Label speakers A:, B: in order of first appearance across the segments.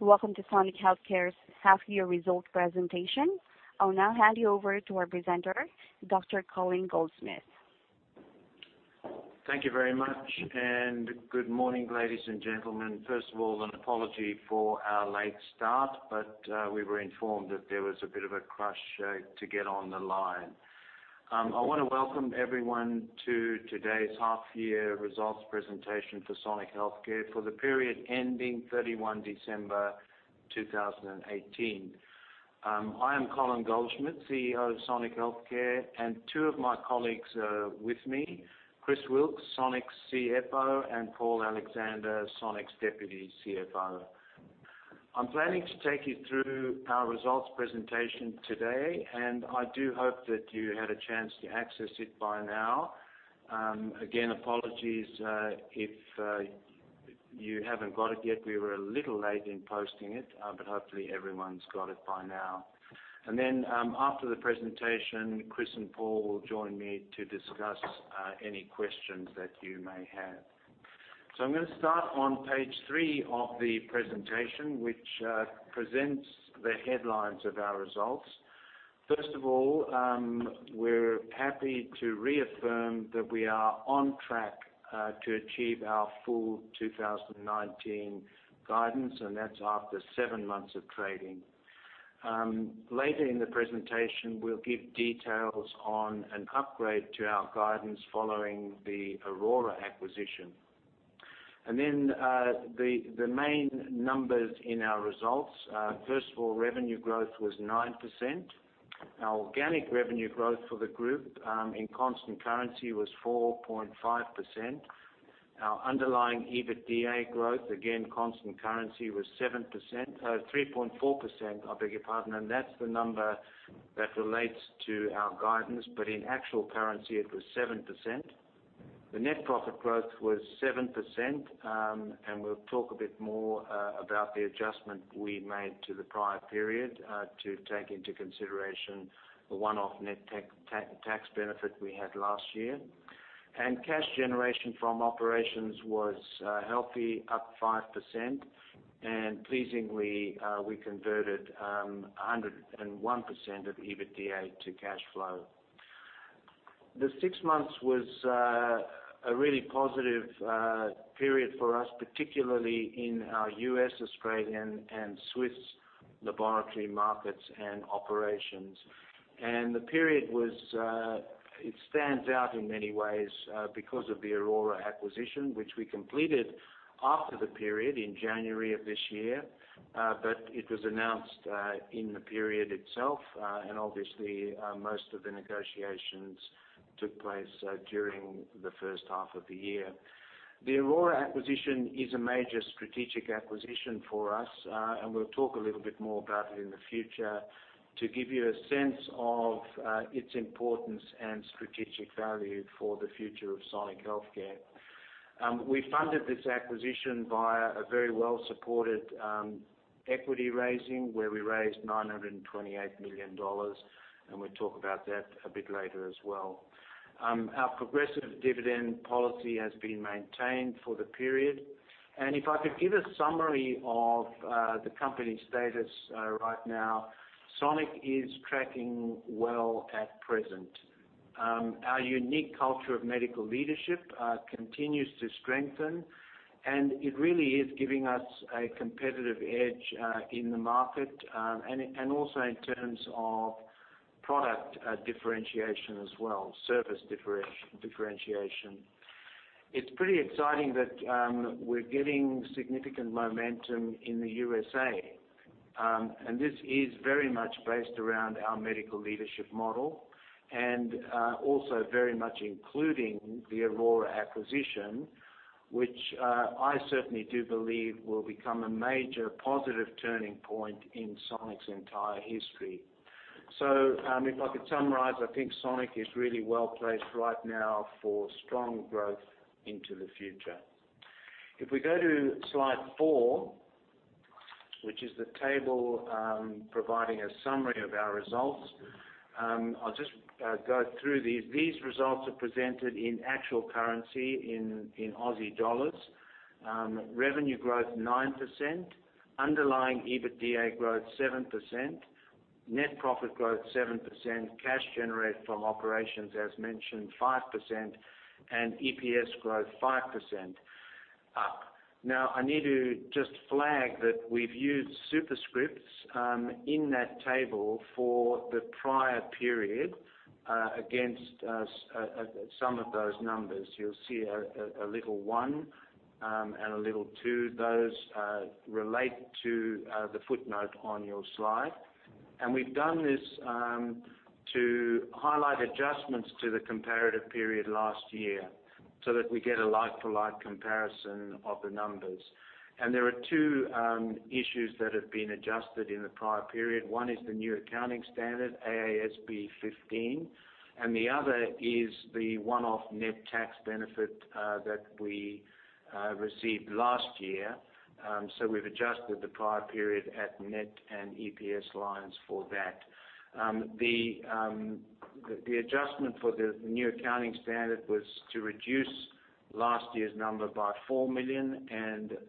A: Welcome to Sonic Healthcare's half year results presentation. I'll now hand you over to our presenter, Dr. Colin Goldschmidt.
B: Thank you very much. Good morning, ladies and gentlemen. First of all, an apology for our late start. We were informed that there was a bit of a crush to get on the line. I want to welcome everyone to today's half year results presentation for Sonic Healthcare for the period ending 31 December 2018. I am Colin Goldschmidt, CEO of Sonic Healthcare, and two of my colleagues are with me, Chris Wilks, Sonic's CFO, and Paul Alexander, Sonic's Deputy CFO. I'm planning to take you through our results presentation today. I do hope that you had a chance to access it by now. Again, apologies if you haven't got it yet. We were a little late in posting it. Hopefully everyone's got it by now. After the presentation, Chris and Paul will join me to discuss any questions that you may have. I'm going to start on page three of the presentation, which presents the headlines of our results. First of all, we're happy to reaffirm that we are on track to achieve our full 2019 guidance. That's after seven months of trading. Later in the presentation, we'll give details on an upgrade to our guidance following the Aurora acquisition. The main numbers in our results. First of all, revenue growth was 9%. Our organic revenue growth for the group, in constant currency, was 4.5%. Our underlying EBITDA growth, again constant currency, was 3.4%. That's the number that relates to our guidance. In actual currency, it was 7%. The net profit growth was 7%. We'll talk a bit more about the adjustment we made to the prior period to take into consideration the one-off net tax benefit we had last year. Cash generation from operations was healthy, up 5%. Pleasingly, we converted 101% of EBITDA to cash flow. The six months was a really positive period for us, particularly in our U.S., Australian, and Swiss laboratory markets and operations. The period stands out in many ways because of the Aurora acquisition, which we completed after the period in January of this year. It was announced in the period itself, and obviously, most of the negotiations took place during the first half of the year. The Aurora acquisition is a major strategic acquisition for us. We'll talk a little bit more about it in the future to give you a sense of its importance and strategic value for the future of Sonic Healthcare. We funded this acquisition via a very well-supported equity raising, where we raised 928 million dollars, we'll talk about that a bit later as well. Our progressive dividend policy has been maintained for the period. If I could give a summary of the company status right now, Sonic is tracking well at present. Our unique culture of medical leadership continues to strengthen, and it really is giving us a competitive edge in the market, and also in terms of product differentiation as well, service differentiation. It's pretty exciting that we're getting significant momentum in the USA. This is very much based around our medical leadership model, and also very much including the Aurora acquisition, which I certainly do believe will become a major positive turning point in Sonic's entire history. If I could summarize, I think Sonic is really well-placed right now for strong growth into the future. If we go to slide four, which is the table providing a summary of our results, I'll just go through these. These results are presented in actual currency in AUD. Revenue growth, 9%. Underlying EBITDA growth, 7%. Net profit growth, 7%. Cash generated from operations, as mentioned, 5%, and EPS growth, 5% up. Now, I need to just flag that we've used superscripts in that table for the prior period against some of those numbers. You'll see a little one and a little two. Those relate to the footnote on your slide. We've done this to highlight adjustments to the comparative period last year so that we get a like-to-like comparison of the numbers. There are two issues that have been adjusted in the prior period. One is the new accounting standard, AASB 15, the other is the one-off net tax benefit that we received last year. We've adjusted the prior period at net and EPS lines for that. The adjustment for the new accounting standard was to reduce last year's number by 4 million,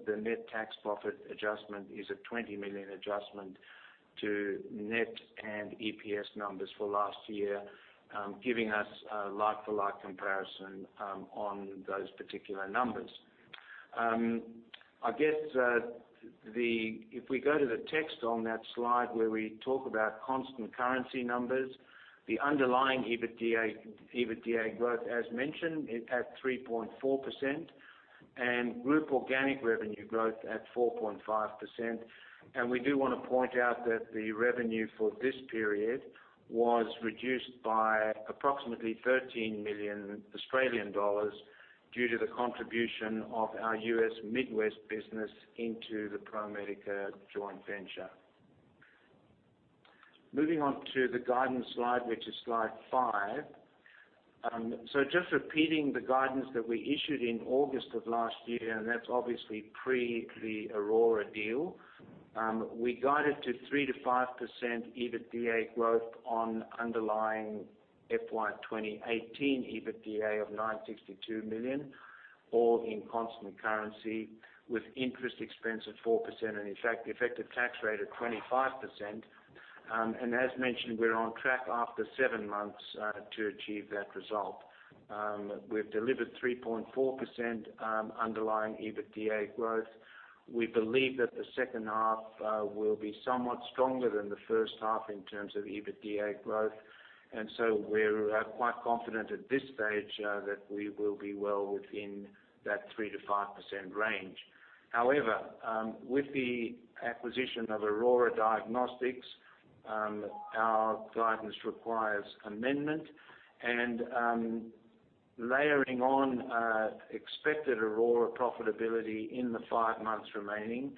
B: the net tax profit adjustment is an 20 million adjustment to net and EPS numbers for last year, giving us a like-for-like comparison on those particular numbers. If we go to the text on that slide where we talk about constant currency numbers, the underlying EBITDA growth, as mentioned, at 3.4%, group organic revenue growth at 4.5%. We do want to point out that the revenue for this period was reduced by approximately 13 million Australian dollars due to the contribution of our U.S. Midwest business into the ProMedica joint venture. Moving on to the guidance slide, which is slide five. Just repeating the guidance that we issued in August of last year, that's obviously pre the Aurora deal. We guided to 3%-5% EBITDA growth on underlying FY 2018 EBITDA of 962 million, all in constant currency with interest expense of 4%, in fact, the effective tax rate of 25%. As mentioned, we're on track after seven months to achieve that result. We've delivered 3.4% underlying EBITDA growth. We believe that the second half will be somewhat stronger than the first half in terms of EBITDA growth, so we're quite confident at this stage that we will be well within that 3%-5% range. However, with the acquisition of Aurora Diagnostics, our guidance requires amendment and layering on expected Aurora profitability in the five months remaining.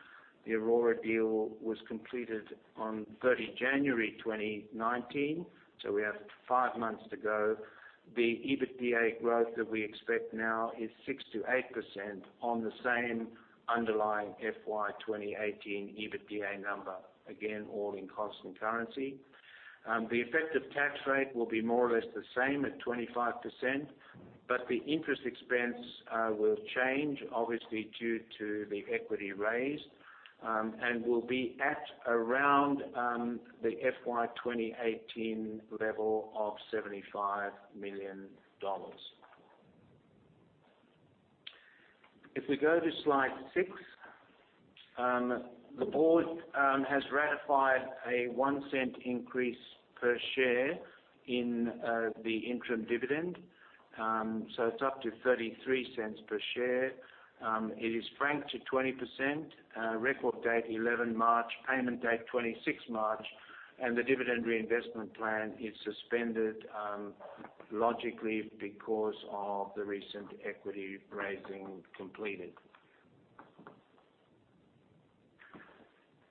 B: The Aurora deal was completed on 30 January 2019, we have 5 months to go. The EBITDA growth that we expect now is 6%-8% on the same underlying FY 2018 EBITDA number, again, all in constant currency. The effective tax rate will be more or less the same at 25%, but the interest expense will change obviously due to the equity raise, and will be at around the FY 2018 level of AUD 75 million. If we go to slide six, the board has ratified an 0.01 increase per share in the interim dividend. It is up to 0.33 per share. It is franked to 20%, record date 11 March, payment date 26 March, the dividend reinvestment plan is suspended logically because of the recent equity raising completed.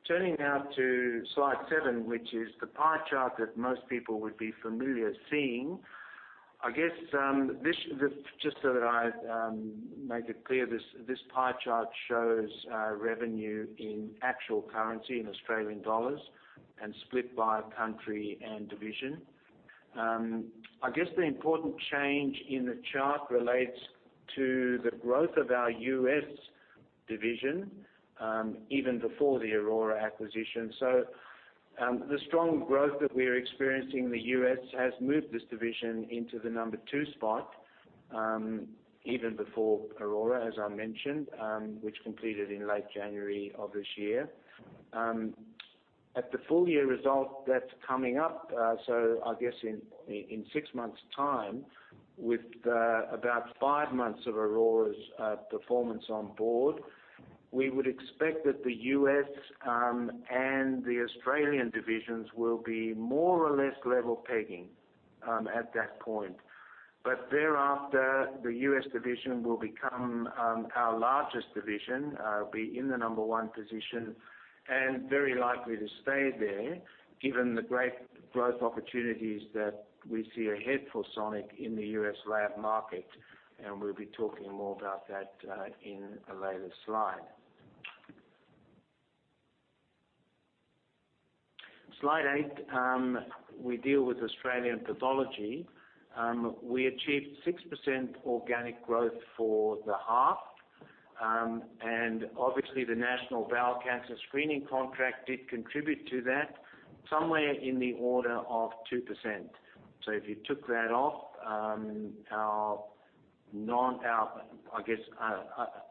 B: Turning now to slide seven, which is the pie chart that most people would be familiar seeing. Just so that I make it clear, this pie chart shows revenue in actual currency in AUD and split by country and division. I guess the important change in the chart relates to the growth of our U.S. division, even before the Aurora acquisition. The strong growth that we're experiencing in the U.S. has moved this division into the number 2 spot, even before Aurora, as I mentioned, which completed in late January 2019. At the full year result that's coming up, I guess in 6 months time, with about 5 months of Aurora's performance on board, we would expect that the U.S. and the Australian divisions will be more or less level pegging at that point. Thereafter, the U.S. division will become our largest division, be in the number 1 position, and very likely to stay there given the great growth opportunities that we see ahead for Sonic in the U.S. lab market, we'll be talking more about that in a later slide. Slide eight, we deal with Australian Pathology. We achieved 6% organic growth for the half, obviously the National Bowel Cancer Screening Contract did contribute to that somewhere in the order of 2%. If you took that off, our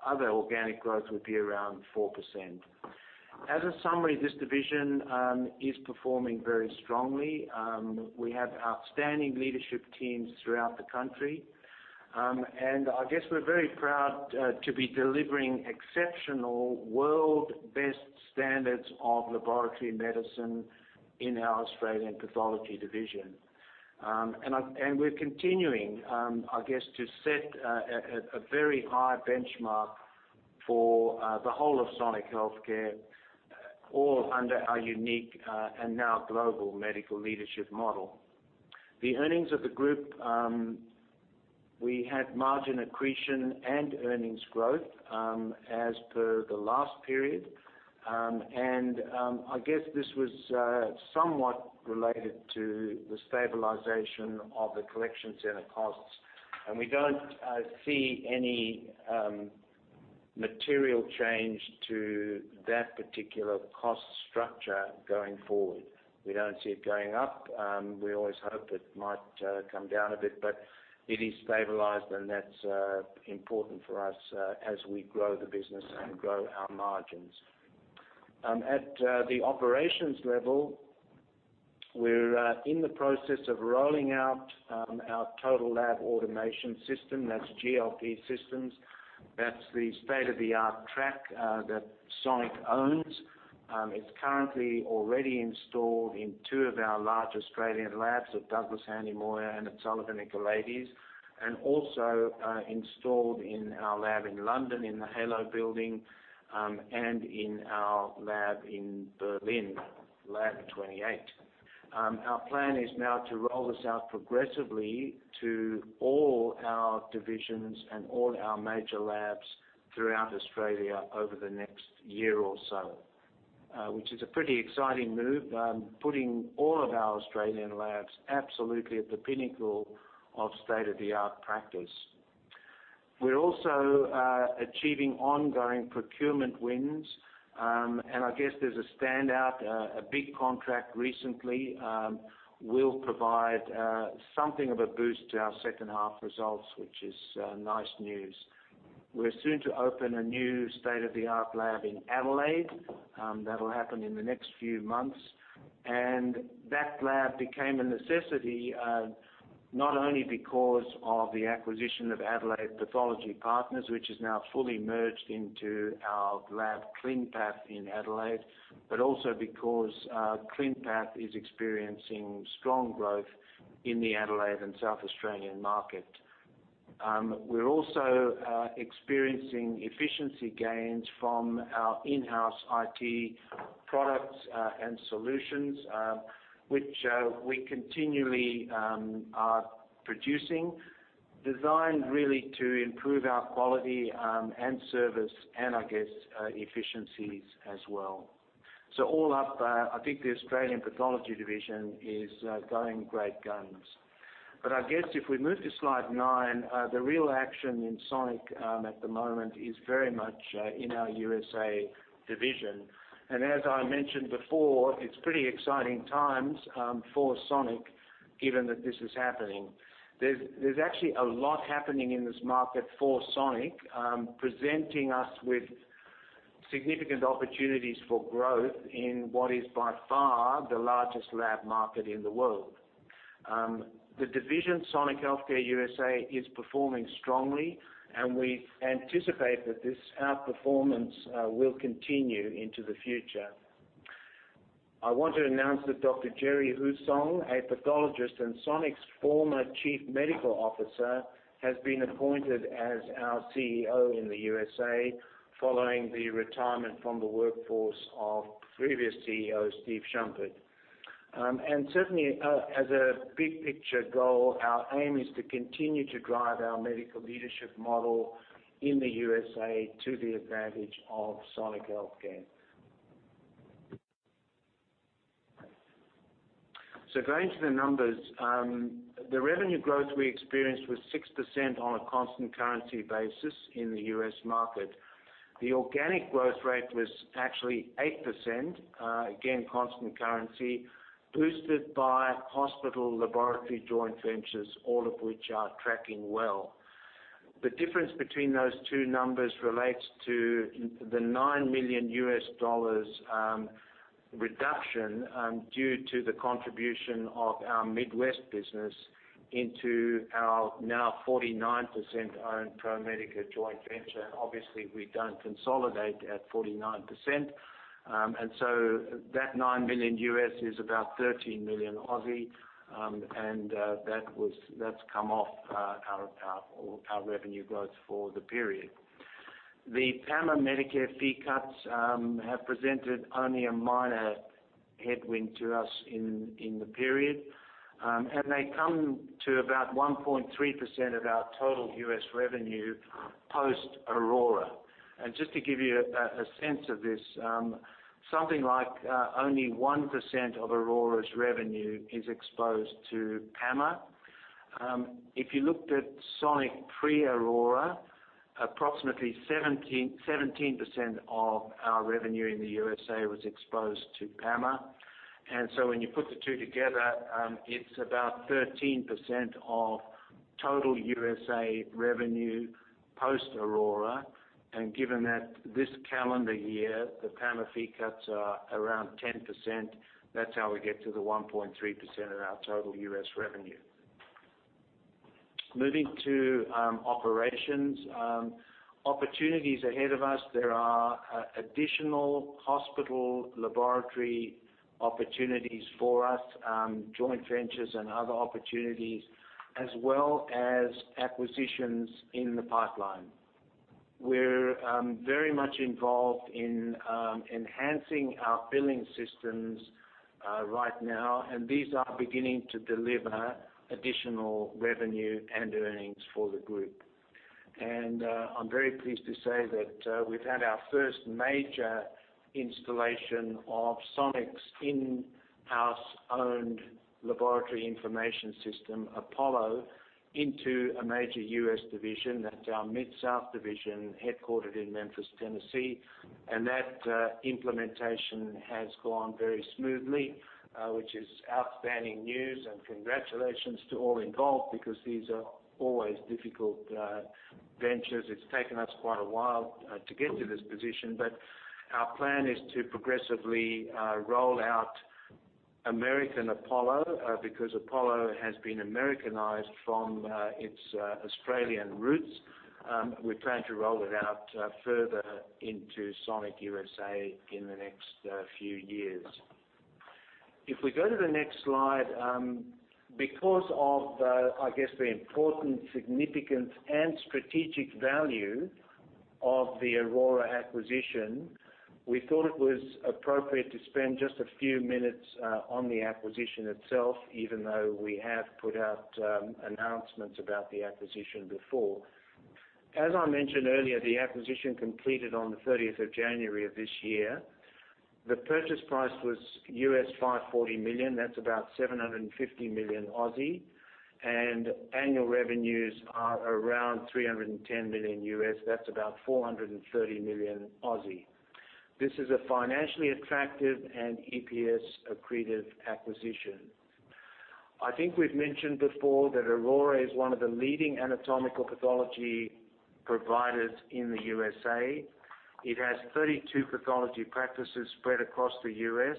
B: other organic growth would be around 4%. As a summary, this division is performing very strongly. We have outstanding leadership teams throughout the country. I guess we're very proud to be delivering exceptional world best standards of laboratory medicine in our Australian Pathology division. We're continuing, I guess, to set a very high benchmark for the whole of Sonic Healthcare, all under our unique and now global medical leadership model. The earnings of the group, we had margin accretion and earnings growth as per the last period. I guess this was somewhat related to the stabilization of the collection center costs. We don't see any material change to that particular cost structure going forward. We don't see it going up. We always hope it might come down a bit, but it is stabilized, and that's important for us as we grow the business and grow our margins. At the operations level, we're in the process of rolling out our total lab automation system, that's GLP Systems. That's the state-of-the-art track that Sonic owns. It's currently already installed in two of our large Australian labs, at Douglass Hanly Moir and at Sullivan Nicolaides, and also installed in our lab in London in the Halo Building and in our lab in Berlin, Lab 28. Our plan is now to roll this out progressively to all our divisions and all our major labs throughout Australia over the next year or so, which is a pretty exciting move, putting all of our Australian labs absolutely at the pinnacle of state-of-the-art practice. We're also achieving ongoing procurement wins. I guess there's a standout, a big contract recently will provide something of a boost to our second half results, which is nice news. We're soon to open a new state-of-the-art lab in Adelaide. That'll happen in the next few months, and that lab became a necessity, not only because of the acquisition of Adelaide Pathology Partners, which is now fully merged into our lab, Clinpath in Adelaide, but also because Clinpath is experiencing strong growth in the Adelaide and South Australian market. We're also experiencing efficiency gains from our in-house IT products and solutions, which we continually are producing, designed really to improve our quality and service and I guess, efficiencies as well. All up, I think the Australian Pathology division is going great guns. I guess if we move to slide nine, the real action in Sonic at the moment is very much in our USA division. As I mentioned before, it's pretty exciting times for Sonic, given that this is happening. There's actually a lot happening in this market for Sonic, presenting us with significant opportunities for growth in what is by far the largest lab market in the world. The division, Sonic Healthcare USA, is performing strongly, and we anticipate that this outperformance will continue into the future. I want to announce that Dr. Jerry Hussong, a pathologist and Sonic's former Chief Medical Officer, has been appointed as our CEO in the USA following the retirement from the workforce of previous CEO, Steve Shumpert. Certainly, as a big picture goal, our aim is to continue to drive our medical leadership model in the USA to the advantage of Sonic Healthcare. Going to the numbers, the revenue growth we experienced was 6% on a constant currency basis in the U.S. market. The organic growth rate was actually 8%, again, constant currency, boosted by hospital laboratory joint ventures, all of which are tracking well. The difference between those two numbers relates to the $9 million reduction due to the contribution of our Midwest business into our now 49%-owned ProMedica joint venture, obviously, we don't consolidate at 49%. That $9 million is about 13 million, and that's come off our revenue growth for the period. The PAMA Medicare fee cuts have presented only a minor headwind to us in the period. They come to about 1.3% of our total U.S. revenue post-Aurora. Just to give you a sense of this, something like only 1% of Aurora's revenue is exposed to PAMA. If you looked at Sonic pre-Aurora, approximately 17% of our revenue in the USA was exposed to PAMA. When you put the two together, it's about 13% of total USA revenue post-Aurora, and given that this calendar year, the PAMA fee cuts are around 10%, that's how we get to the 1.3% of our total U.S. revenue. Moving to operations. Opportunities ahead of us, there are additional hospital laboratory opportunities for us, joint ventures, and other opportunities, as well as acquisitions in the pipeline. We're very much involved in enhancing our billing systems right now, and these are beginning to deliver additional revenue and earnings for the group. I'm very pleased to say that we've had our first major installation of Sonic's in-house owned laboratory information system, Apollo, into a major U.S. division. That's our Mid-South Division, headquartered in Memphis, Tennessee. That implementation has gone very smoothly, which is outstanding news, and congratulations to all involved, because these are always difficult ventures. It's taken us quite a while to get to this position, but our plan is to progressively roll out American Apollo, because Apollo has been Americanized from its Australian roots. We plan to roll it out further into Sonic USA in the next few years. If we go to the next slide. Because of the important significance and strategic value of the Aurora acquisition, we thought it was appropriate to spend just a few minutes on the acquisition itself, even though we have put out announcements about the acquisition before. As I mentioned earlier, the acquisition completed on the 30th of January of this year. The purchase price was $540 million, that's about 750 million, and annual revenues are around $310 million, that's about 430 million. This is a financially attractive and EPS accretive acquisition. I think we've mentioned before that Aurora is one of the leading anatomical pathology providers in the USA. It has 32 pathology practices spread across the U.S.,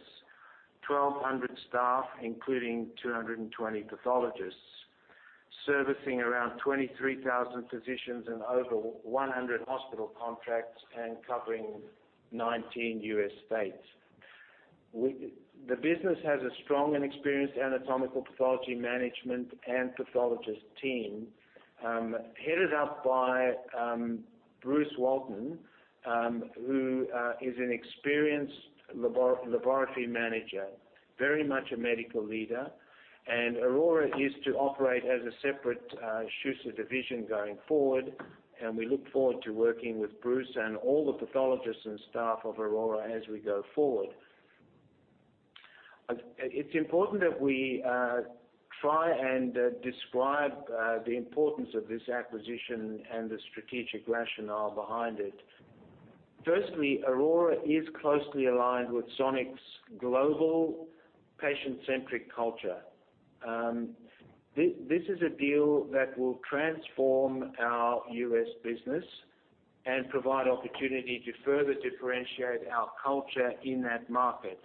B: 1,200 staff, including 220 pathologists, servicing around 23,000 physicians and over 100 hospital contracts and covering 19 U.S. states. The business has a strong and experienced anatomical pathology management and pathologist team, headed up by Bruce Walton, who is an experienced laboratory manager, very much a medical leader. Aurora is to operate as a separate Schuster division going forward, and we look forward to working with Bruce and all the pathologists and staff of Aurora as we go forward. It's important that we try and describe the importance of this acquisition and the strategic rationale behind it. Firstly, Aurora is closely aligned with Sonic's global patient-centric culture. This is a deal that will transform our U.S. business and provide opportunity to further differentiate our culture in that market.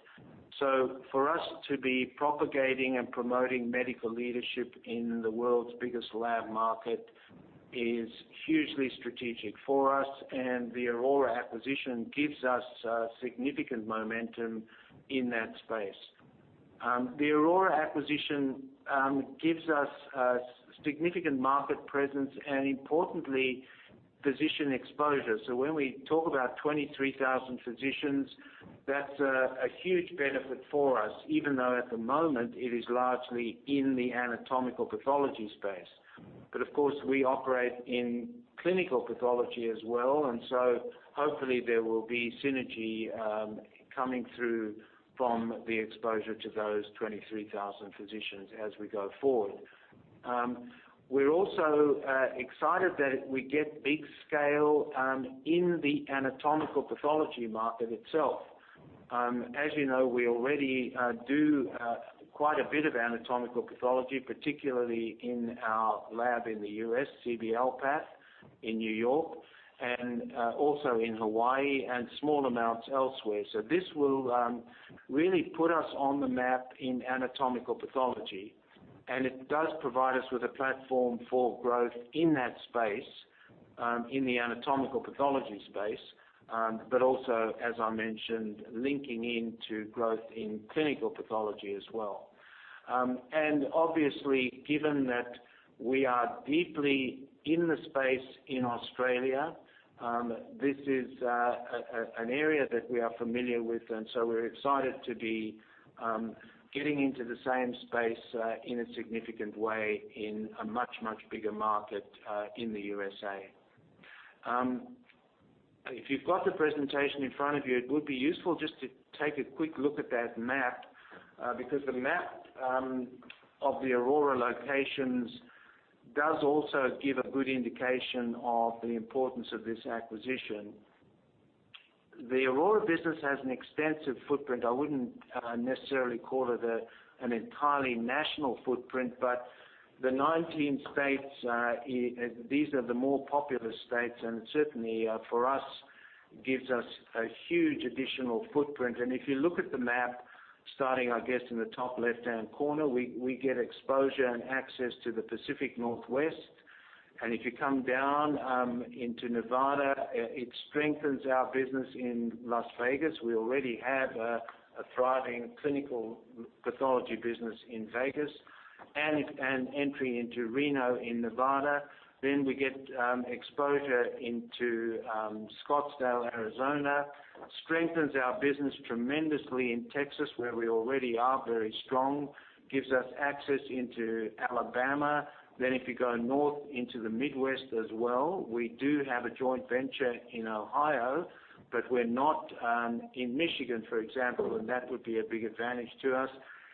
B: For us to be propagating and promoting medical leadership in the world's biggest lab market is hugely strategic for us, the Aurora acquisition gives us significant momentum in that space. The Aurora acquisition gives us a significant market presence and, importantly, physician exposure. When we talk about 23,000 physicians, that's a huge benefit for us, even though at the moment it is largely in the anatomical pathology space. But of course, we operate in clinical pathology as well, hopefully there will be synergy coming through from the exposure to those 23,000 physicians as we go forward. We're also excited that we get big scale in the anatomical pathology market itself. As you know, we already do quite a bit of anatomical pathology, particularly in our lab in the U.S., CBLPath, in New York, and also in Hawaii and small amounts elsewhere. This will really put us on the map in anatomical pathology, and it does provide us with a platform for growth in that space, in the anatomical pathology space, but also, as I mentioned, linking into growth in clinical pathology as well. Obviously, given that we are deeply in the space in Australia, this is an area that we are familiar with, we're excited to be getting into the same space in a significant way in a much, much bigger market in the USA. If you've got the presentation in front of you, it would be useful just to take a quick look at that map, because the map of the Aurora locations does also give a good indication of the importance of this acquisition. The Aurora business has an extensive footprint. I wouldn't necessarily call it an entirely national footprint, but the 19 states, these are the more populous states, and certainly for us, gives us a huge additional footprint. If you look at the map, starting, I guess, in the top left-hand corner, we get exposure and access to the Pacific Northwest. If you come down into Nevada, it strengthens our business in Las Vegas. We already have a thriving clinical pathology business in Vegas. And an entry into Reno in Nevada. We get exposure into Scottsdale, Arizona, strengthens our business tremendously in Texas, where we already are very strong, gives us access into Alabama. If you go north into the Midwest as well, we do have a joint venture in Ohio, but we're not in Michigan, for example, and that would be a big advantage to us.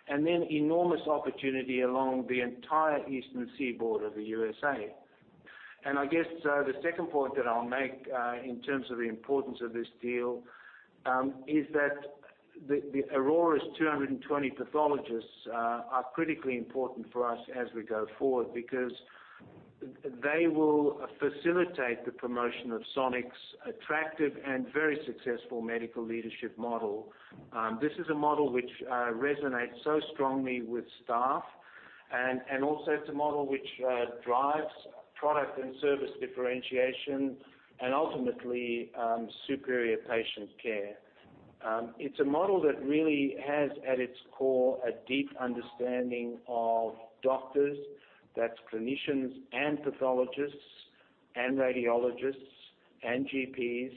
B: Enormous opportunity along the entire eastern seaboard of the USA. I guess, the second point that I'll make, in terms of the importance of this deal, is that Aurora's 220 pathologists are critically important for us as we go forward because they will facilitate the promotion of Sonic's attractive and very successful medical leadership model. This is a model which resonates so strongly with staff and also it's a model which drives product and service differentiation and ultimately, superior patient care. It's a model that really has at its core, a deep understanding of doctors, that's clinicians and pathologists and radiologists and GPs.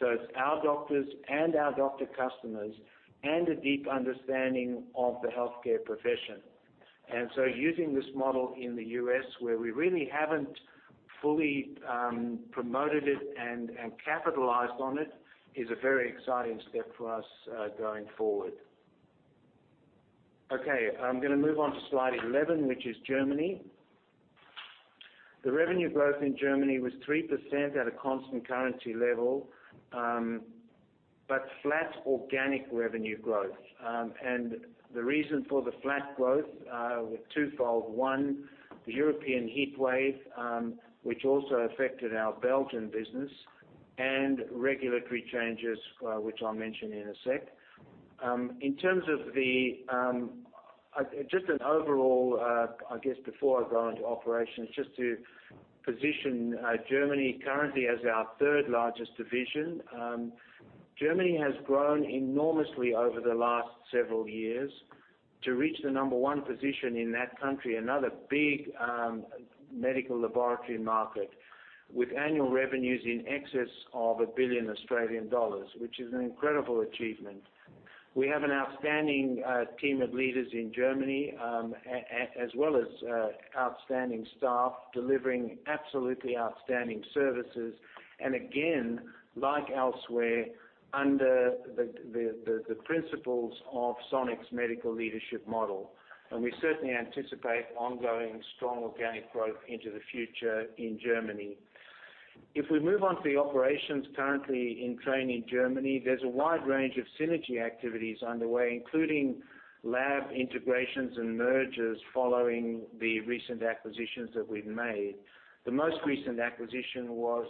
B: It's our doctors and our doctor customers, and a deep understanding of the healthcare profession. Using this model in the U.S. where we really haven't fully promoted it and capitalized on it is a very exciting step for us, going forward. Okay. I'm gonna move on to slide 11, which is Germany. The revenue growth in Germany was 3% at a constant currency level, but flat organic revenue growth. The reason for the flat growth, were twofold. One, the European heat wave, which also affected our Belgian business, and regulatory changes, which I'll mention in a second. Just an overall, I guess before I go into operations, just to position Germany currently as our third largest division. Germany has grown enormously over the last several years to reach the number one position in that country, another big medical laboratory market with annual revenues in excess of 1 billion Australian dollars, which is an incredible achievement. We have an outstanding team of leaders in Germany, as well as outstanding staff delivering absolutely outstanding services. Again, like elsewhere, under the principles of Sonic's medical leadership model. We certainly anticipate ongoing strong organic growth into the future in Germany. If we move on to the operations currently in train in Germany, there's a wide range of synergy activities underway, including lab integrations and mergers following the recent acquisitions that we've made. The most recent acquisition was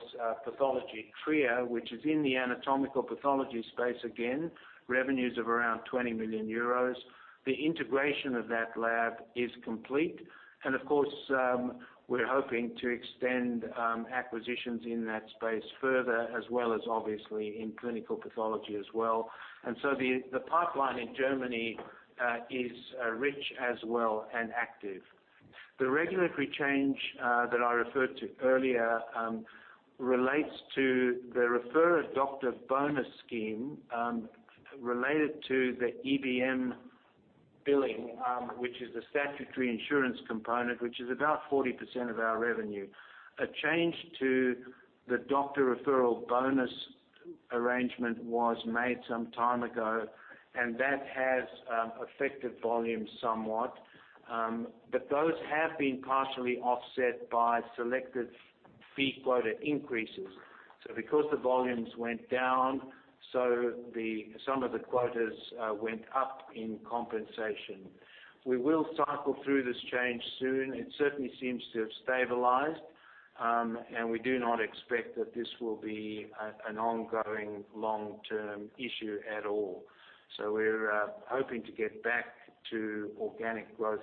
B: Pathologie Trier, which is in the anatomical pathology space again, revenues of around 20 million euros. The integration of that lab is complete, of course, we're hoping to extend acquisitions in that space further as well as obviously in clinical pathology as well. The pipeline in Germany is rich as well and active. The regulatory change that I referred to earlier, relates to the refer doctor bonus scheme, related to the EBM billing, which is the statutory insurance component, which is about 40% of our revenue. A change to the doctor referral bonus arrangement was made some time ago, and that has affected volumes somewhat. Those have been partially offset by selected fee quota increases. So because the volumes went down, so some of the quotas went up in compensation. We will cycle through this change soon. It certainly seems to have stabilized. We do not expect that this will be an ongoing long-term issue at all. We're hoping to get back to organic growth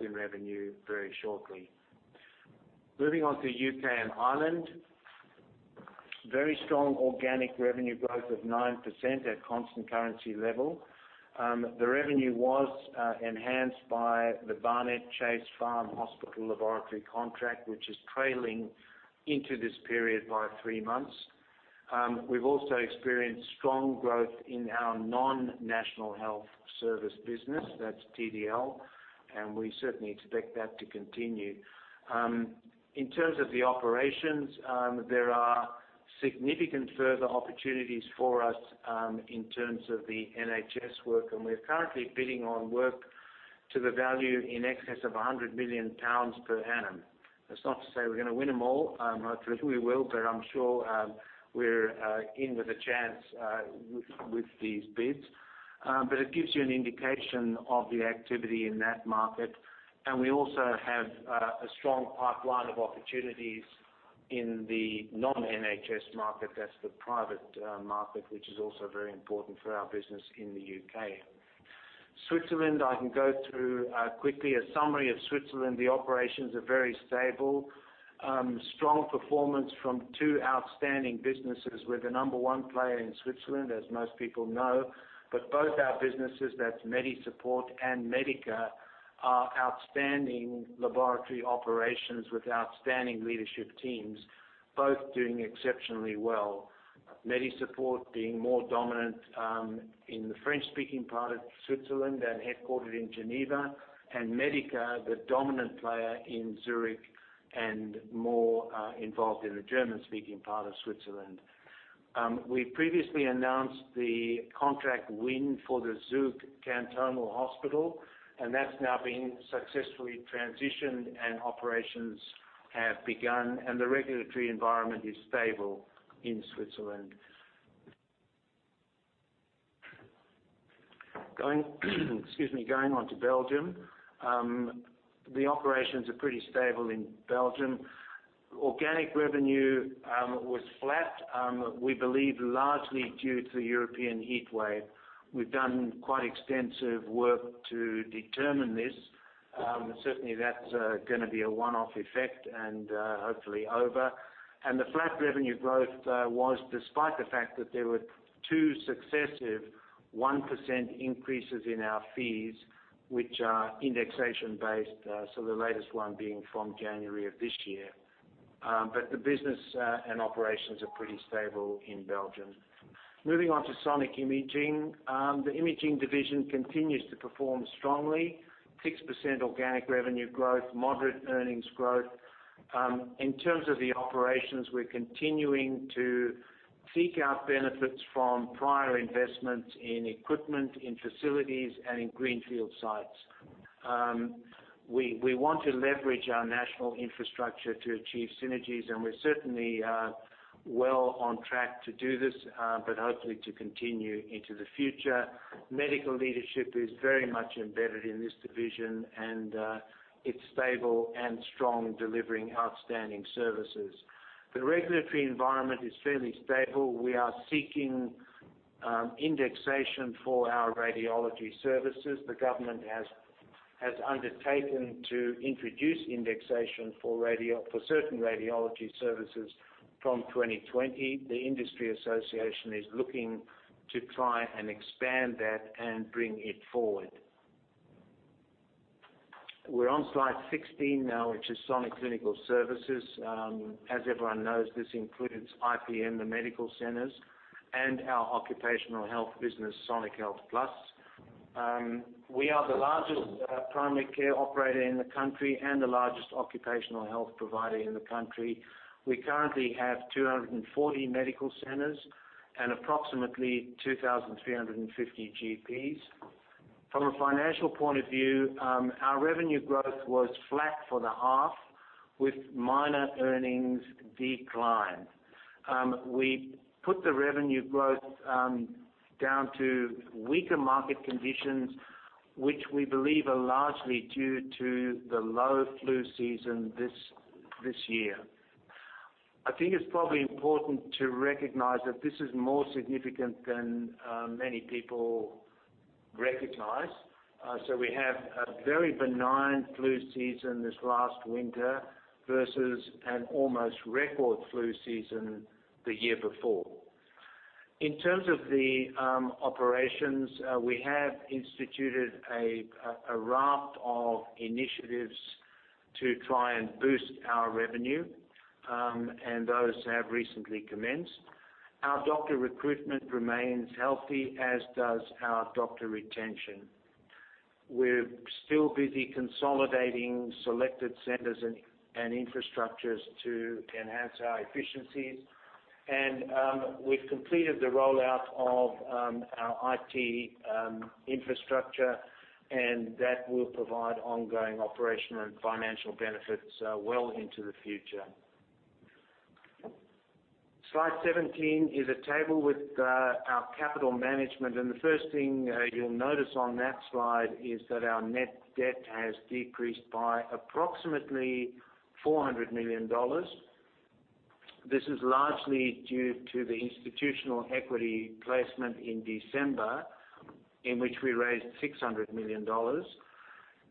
B: in revenue very shortly. Moving on to U.K. and Ireland. Very strong organic revenue growth of 9% at constant currency level. The revenue was enhanced by the Barnet Chase Farm Hospital laboratory contract, which is trailing into this period by three months. We've also experienced strong growth in our non-National Health Service business, that's TDL, and we certainly expect that to continue. In terms of the operations, there are significant further opportunities for us, in terms of the NHS work, and we're currently bidding on work to the value in excess of 100 million pounds per annum. That's not to say we're going to win them all, not that we will, I'm sure we're in with a chance, with these bids. It gives you an indication of the activity in that market. We also have a strong pipeline of opportunities in the non-NHS market. That's the private market, which is also very important for our business in the U.K. Switzerland, I can go through quickly a summary of Switzerland. The operations are very stable. Strong performance from two outstanding businesses. We're the number one player in Switzerland, as most people know. Both our businesses, that's Medisupport and Medica, are outstanding laboratory operations with outstanding leadership teams, both doing exceptionally well. Medisupport being more dominant in the French-speaking part of Switzerland and headquartered in Geneva, and Medica, the dominant player in Zurich and more involved in the German-speaking part of Switzerland. We previously announced the contract win for the Zug Cantonal Hospital, that's now been successfully transitioned, operations have begun, and the regulatory environment is stable in Switzerland. Going on to Belgium. The operations are pretty stable in Belgium. Organic revenue was flat, we believe largely due to the European heat wave. We've done quite extensive work to determine this. Certainly, that's going to be a one-off effect and hopefully over. The flat revenue growth was despite the fact that there were two successive 1% increases in our fees, which are indexation based, so the latest one being from January of this year. The business and operations are pretty stable in Belgium. Moving on to Sonic Imaging. The imaging division continues to perform strongly, 6% organic revenue growth, moderate earnings growth. In terms of the operations, we're continuing to seek out benefits from prior investments in equipment, in facilities, and in greenfield sites. We want to leverage our national infrastructure to achieve synergies, and we're certainly well on track to do this, but hopefully to continue into the future. Medical leadership is very much embedded in this division, and it's stable and strong, delivering outstanding services. The regulatory environment is fairly stable. We are seeking indexation for our radiology services. The government has undertaken to introduce indexation for certain radiology services from 2020. The industry association is looking to try and expand that and bring it forward. We're on slide 16 now, which is Sonic Clinical Services. As everyone knows, this includes IPN, the medical centers, and our occupational health business, Sonic HealthPlus. We are the largest primary care operator in the country and the largest occupational health provider in the country. We currently have 240 medical centers and approximately 2,350 GPs. From a financial point of view, our revenue growth was flat for the half, with minor earnings decline. We put the revenue growth down to weaker market conditions, which we believe are largely due to the low flu season this year. I think it's probably important to recognize that this is more significant than many people recognize. We have a very benign flu season this last winter versus an almost record flu season the year before. In terms of the operations, we have instituted a raft of initiatives to try and boost our revenue, and those have recently commenced. Our doctor recruitment remains healthy, as does our doctor retention. We're still busy consolidating selected centers and infrastructures to enhance our efficiencies. We've completed the rollout of our IT infrastructure, and that will provide ongoing operational and financial benefits well into the future. Slide 17 is a table with our capital management. The first thing you'll notice on that slide is that our net debt has decreased by approximately 400 million dollars. This is largely due to the institutional equity placement in December, in which we raised 600 million dollars.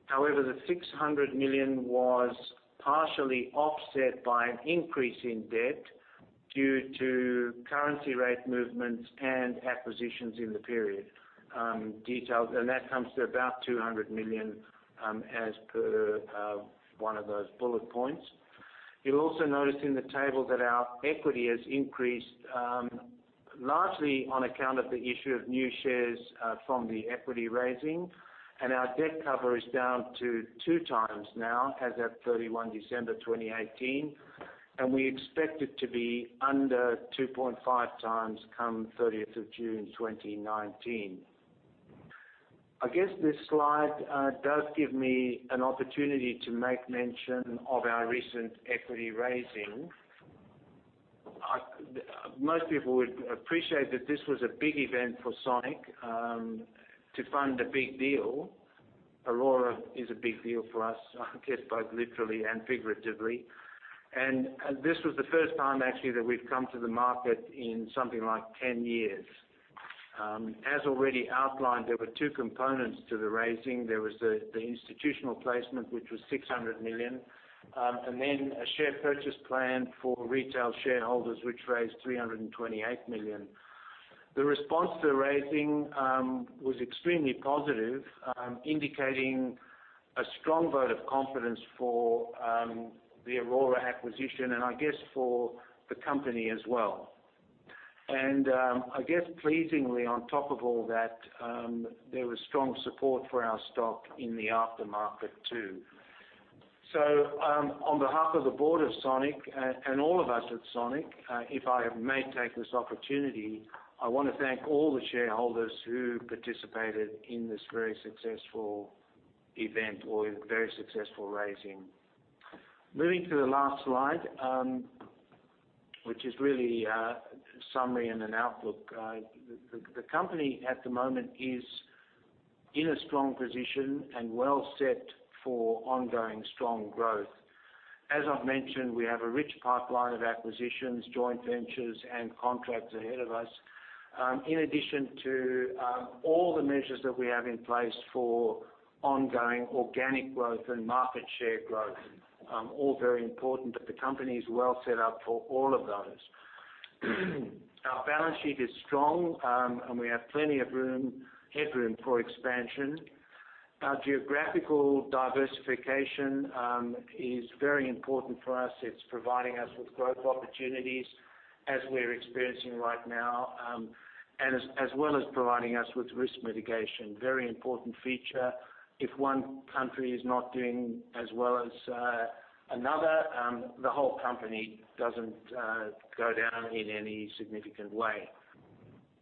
B: However, the 600 million was partially offset by an increase in debt due to currency rate movements and acquisitions in the period. That comes to about 200 million as per one of those bullet points. You'll also notice in the table that our equity has increased largely on account of the issue of new shares from the equity raising, our debt cover is down to two times now as at 31 December 2018, and we expect it to be under 2.5 times come 30th of June 2019. I guess this slide does give me an opportunity to make mention of our recent equity raising. Most people would appreciate that this was a big event for Sonic to fund a big deal. Aurora is a big deal for us, I guess, both literally and figuratively. This was the first time, actually, that we've come to the market in something like 10 years. As already outlined, there were two components to the raising. There was the institutional placement, which was 600 million. Then a share purchase plan for retail shareholders, which raised 328 million. The response to the raising was extremely positive, indicating a strong vote of confidence for the Aurora acquisition and I guess for the company as well. I guess pleasingly on top of all that, there was strong support for our stock in the aftermarket too. On behalf of the board of Sonic and all of us at Sonic, if I may take this opportunity, I want to thank all the shareholders who participated in this very successful event or very successful raising. Moving to the last slide, which is really a summary and an outlook. The company at the moment is in a strong position and well set for ongoing strong growth. As I've mentioned, we have a rich pipeline of acquisitions, joint ventures, and contracts ahead of us. In addition to all the measures that we have in place for ongoing organic growth and market share growth, all very important that the company is well set up for all of those. Our balance sheet is strong, and we have plenty of headroom for expansion. Our geographical diversification is very important for us. It's providing us with growth opportunities, as we're experiencing right now, as well as providing us with risk mitigation. Very important feature. If one country is not doing as well as another, the whole company doesn't go down in any significant way.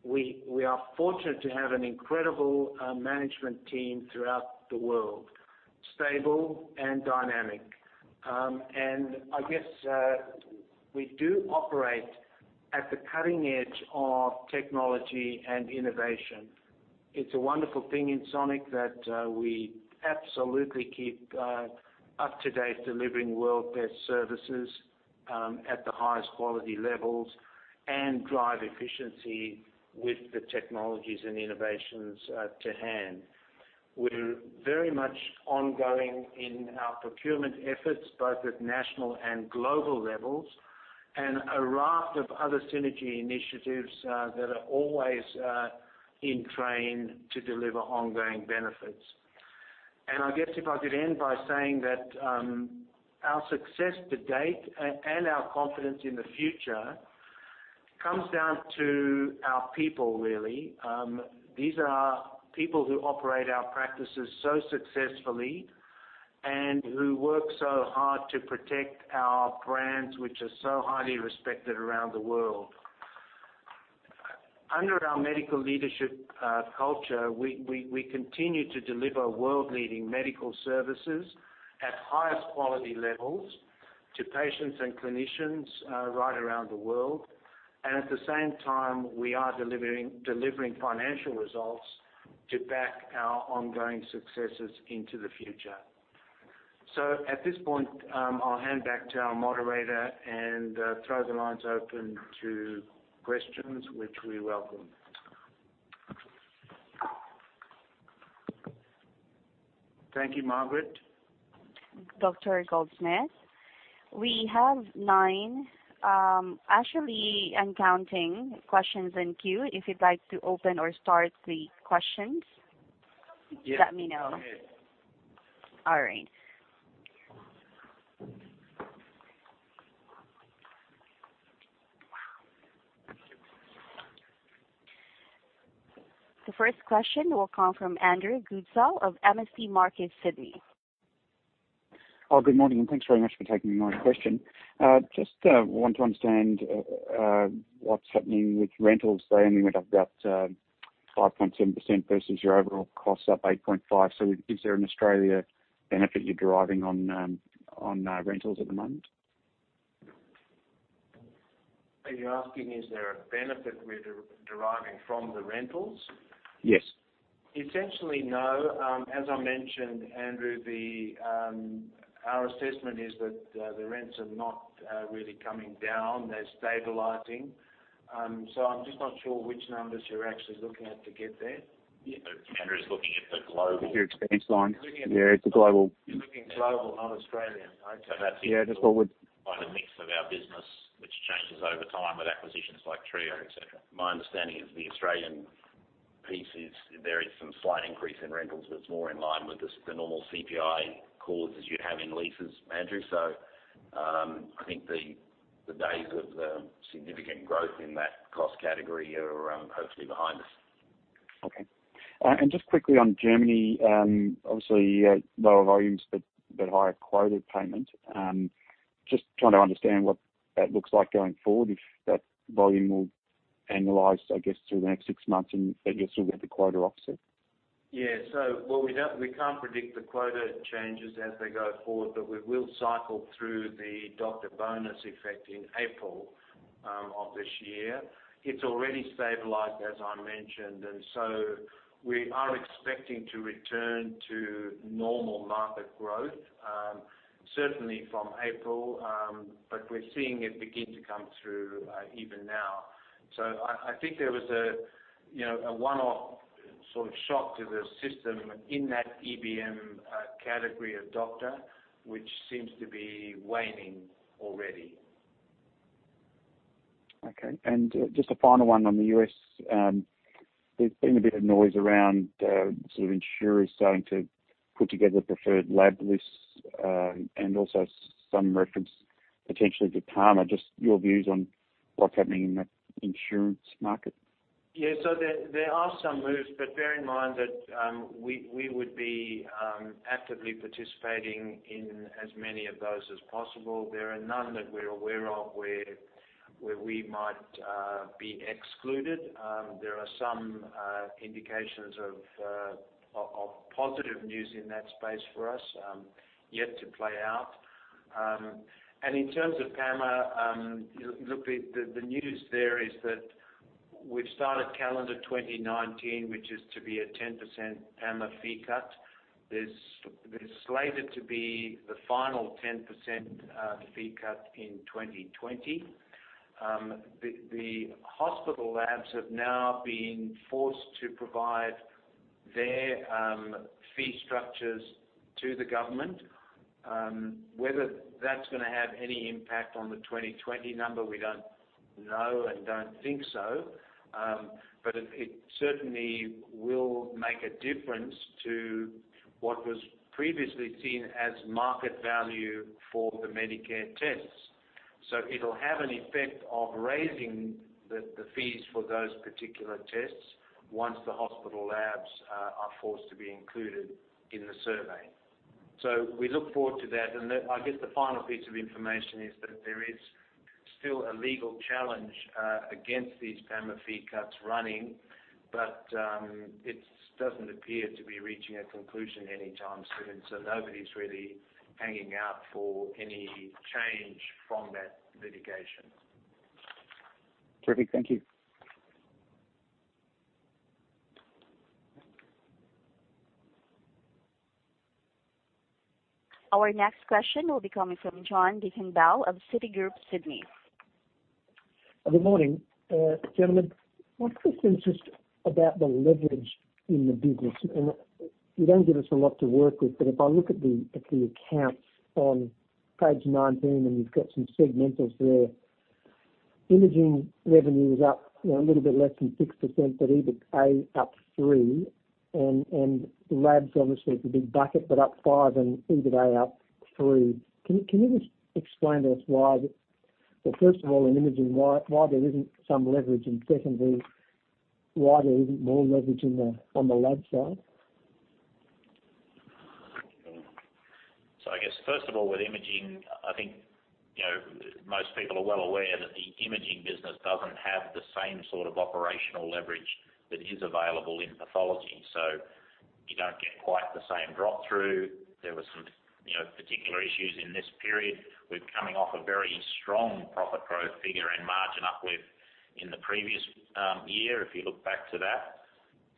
B: We are fortunate to have an incredible management team throughout the world. Stable and dynamic. I guess, we do operate at the cutting edge of technology and innovation. It's a wonderful thing in Sonic that we absolutely keep up to date, delivering world-best services at the highest quality levels and drive efficiency with the technologies and innovations to hand. We're very much ongoing in our procurement efforts, both at national and global levels, and a raft of other synergy initiatives that are always in train to deliver ongoing benefits. I guess if I could end by saying that our success to date and our confidence in the future comes down to our people, really. These are people who operate our practices so successfully and who work so hard to protect our brands, which are so highly respected around the world. Under our medical leadership culture, we continue to deliver world-leading medical services at highest quality levels to patients and clinicians right around the world. At the same time, we are delivering financial results to back our ongoing successes into the future. At this point, I'll hand back to our moderator and throw the lines open to questions, which we welcome. Thank you, Margaret.
A: Dr. Goldschmidt. We have nine, actually, and counting questions in queue. If you'd like to open or start the questions.
B: Yes.
A: Let me know. All right. The first question will come from Andrew Goodsall of MST Marquee Sydney.
C: Good morning. Thanks very much for taking my question. Just want to understand what's happening with rentals. They only went up about 5.7% versus your overall cost up 8.5%. Is there an Australia benefit you're deriving on rentals at the moment?
B: Are you asking is there a benefit we're deriving from the rentals?
C: Yes.
B: Essentially, no. As I mentioned, Andrew, our assessment is that the rents are not really coming down. They're stabilizing. I'm just not sure which numbers you're actually looking at to get there.
D: Yeah. Andrew's looking at the global-
C: Your expense line. Yeah, it's a global-
B: You're looking at global, not Australian, right?
C: Yeah, just.
D: By the mix of our business, which changes over time with acquisitions like Trier, et cetera. My understanding is the Australian piece is, there is some slight increase in rentals, but it is more in line with the normal CPI clauses you would have in leases, Andrew. I think the days of significant growth in that cost category are hopefully behind us.
C: Okay. Just quickly on Germany, obviously lower volumes but higher quota payment. Just trying to understand what that looks like going forward, if that volume will annualize, I guess, through the next 6 months and that you will still get the quota offset.
B: Yeah. Well, we can't predict the quota changes as they go forward, but we will cycle through the doctor bonus effect in April of this year. It's already stabilized, as I mentioned, we are expecting to return to normal market growth. Certainly from April, but we're seeing it begin to come through even now. I think there was a one-off Sort of shock to the system in that EBM category of doctor, which seems to be waning already.
C: Okay. Just a final one on the U.S. There's been a bit of noise around insurers starting to put together preferred lab lists, and also some reference potentially to PAMA. Just your views on what's happening in that insurance market.
B: Yeah. There are some moves, but bear in mind that we would be actively participating in as many of those as possible. There are none that we're aware of where we might be excluded. There are some indications of positive news in that space for us yet to play out. In terms of PAMA, look, the news there is that we've started calendar 2019, which is to be a 10% PAMA fee cut. There's slated to be the final 10% fee cut in 2020. The hospital labs have now been forced to provide their fee structures to the government. Whether that's going to have any impact on the 2020 number, we don't know and don't think so. It certainly will make a difference to what was previously seen as market value for the Medicare tests. It'll have an effect of raising the fees for those particular tests once the hospital labs are forced to be included in the survey. We look forward to that. I guess the final piece of information is that there is still a legal challenge against these PAMA fee cuts running, but it doesn't appear to be reaching a conclusion anytime soon, so nobody's really hanging out for any change from that litigation.
C: Perfect. Thank you.
A: Our next question will be coming from John Devenbow of Citigroup Sydney.
E: Good morning. Gentlemen, my quick interest about the leverage in the business. You don't give us a lot to work with, but if I look at the accounts on page 19, you've got some segmentals there, imaging revenue is up a little bit less than 6%. EBITDA up three. Labs, obviously, it's a big bucket, up five and EBITDA up three. Can you just explain to us why, well, first of all, in imaging, why there isn't some leverage, and secondly, why there isn't more leverage on the lab side?
F: I guess first of all, with imaging, I think most people are well aware that the imaging business doesn't have the same sort of operational leverage that is available in pathology. You don't get quite the same drop through. There were some particular issues in this period. We're coming off a very strong profit growth figure and margin uplift in the previous year, if you look back to that.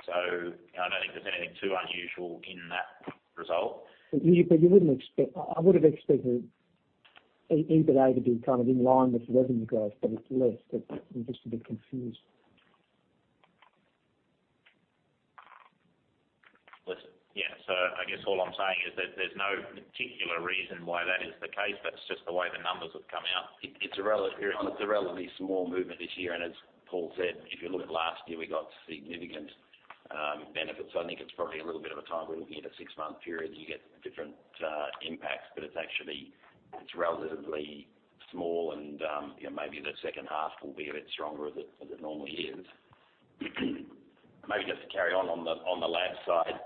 F: I don't think there's anything too unusual in that result.
E: I would have expected the EBITDA to be kind of in line with revenue growth, but it's less. I'm just a bit confused.
F: Listen. I guess all I'm saying is that there's no particular reason why that is the case. That's just the way the numbers have come out.
D: It's a relatively small movement this year, and as Paul said, if you look at last year, we got significant benefits. I think it's probably a little bit of a time. We're looking at a six-month period, you get different impacts, but it's actually relatively small and maybe the second half will be a bit stronger as it normally is. Maybe just to carry on the lab side,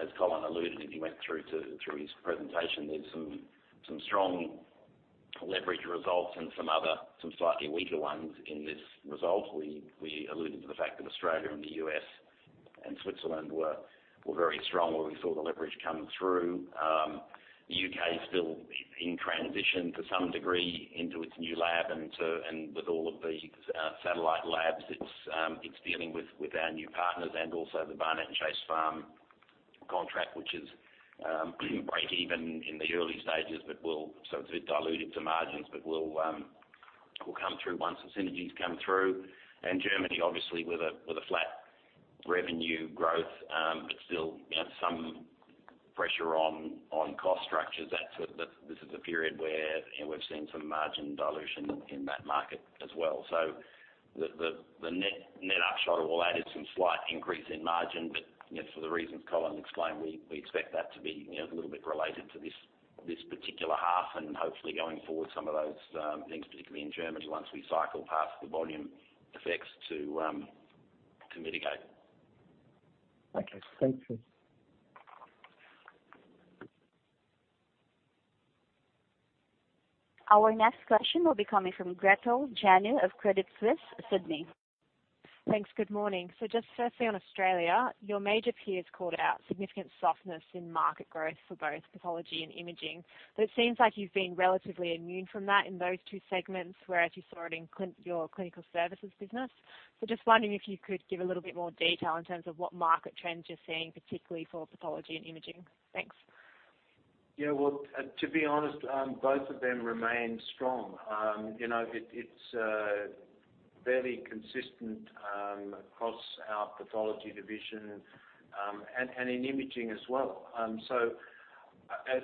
D: as Colin alluded as he went through his presentation, there's some strong leverage results and some other, slightly weaker ones in this result. We alluded to the fact that Australia and the U.S. and Switzerland were very strong where we saw the leverage come through. The U.K. is still in transition to some degree into its new lab and with all of the satellite labs it's dealing with our new partners and also the Barnet Chase Farm contract, which is break-even in the early stages, so it's a bit diluted to margins, but will come through once the synergies come through. Germany, obviously, with a flat revenue growth, but still some pressure on cost structures, this is a period where we've seen some margin dilution in that market as well. The net upshot of all that is some slight increase in margin, but for the reasons Colin explained, we expect that to be a little bit related to this particular half, and hopefully, going forward, some of those things, particularly in Germany, once we cycle past the volume effects to mitigate.
E: Okay. Thank you.
A: Our next question will be coming from Gretel Janu of Credit Suisse, Sydney.
G: Thanks. Good morning. Just firstly, on Australia, your major peers called out significant softness in market growth for both pathology and imaging. It seems like you've been relatively immune from that in those two segments, whereas you saw it in your clinical services business. Just wondering if you could give a little bit more detail in terms of what market trends you're seeing, particularly for pathology and imaging. Thanks.
B: Well, to be honest, both of them remain strong. It's fairly consistent across our pathology division and in imaging as well.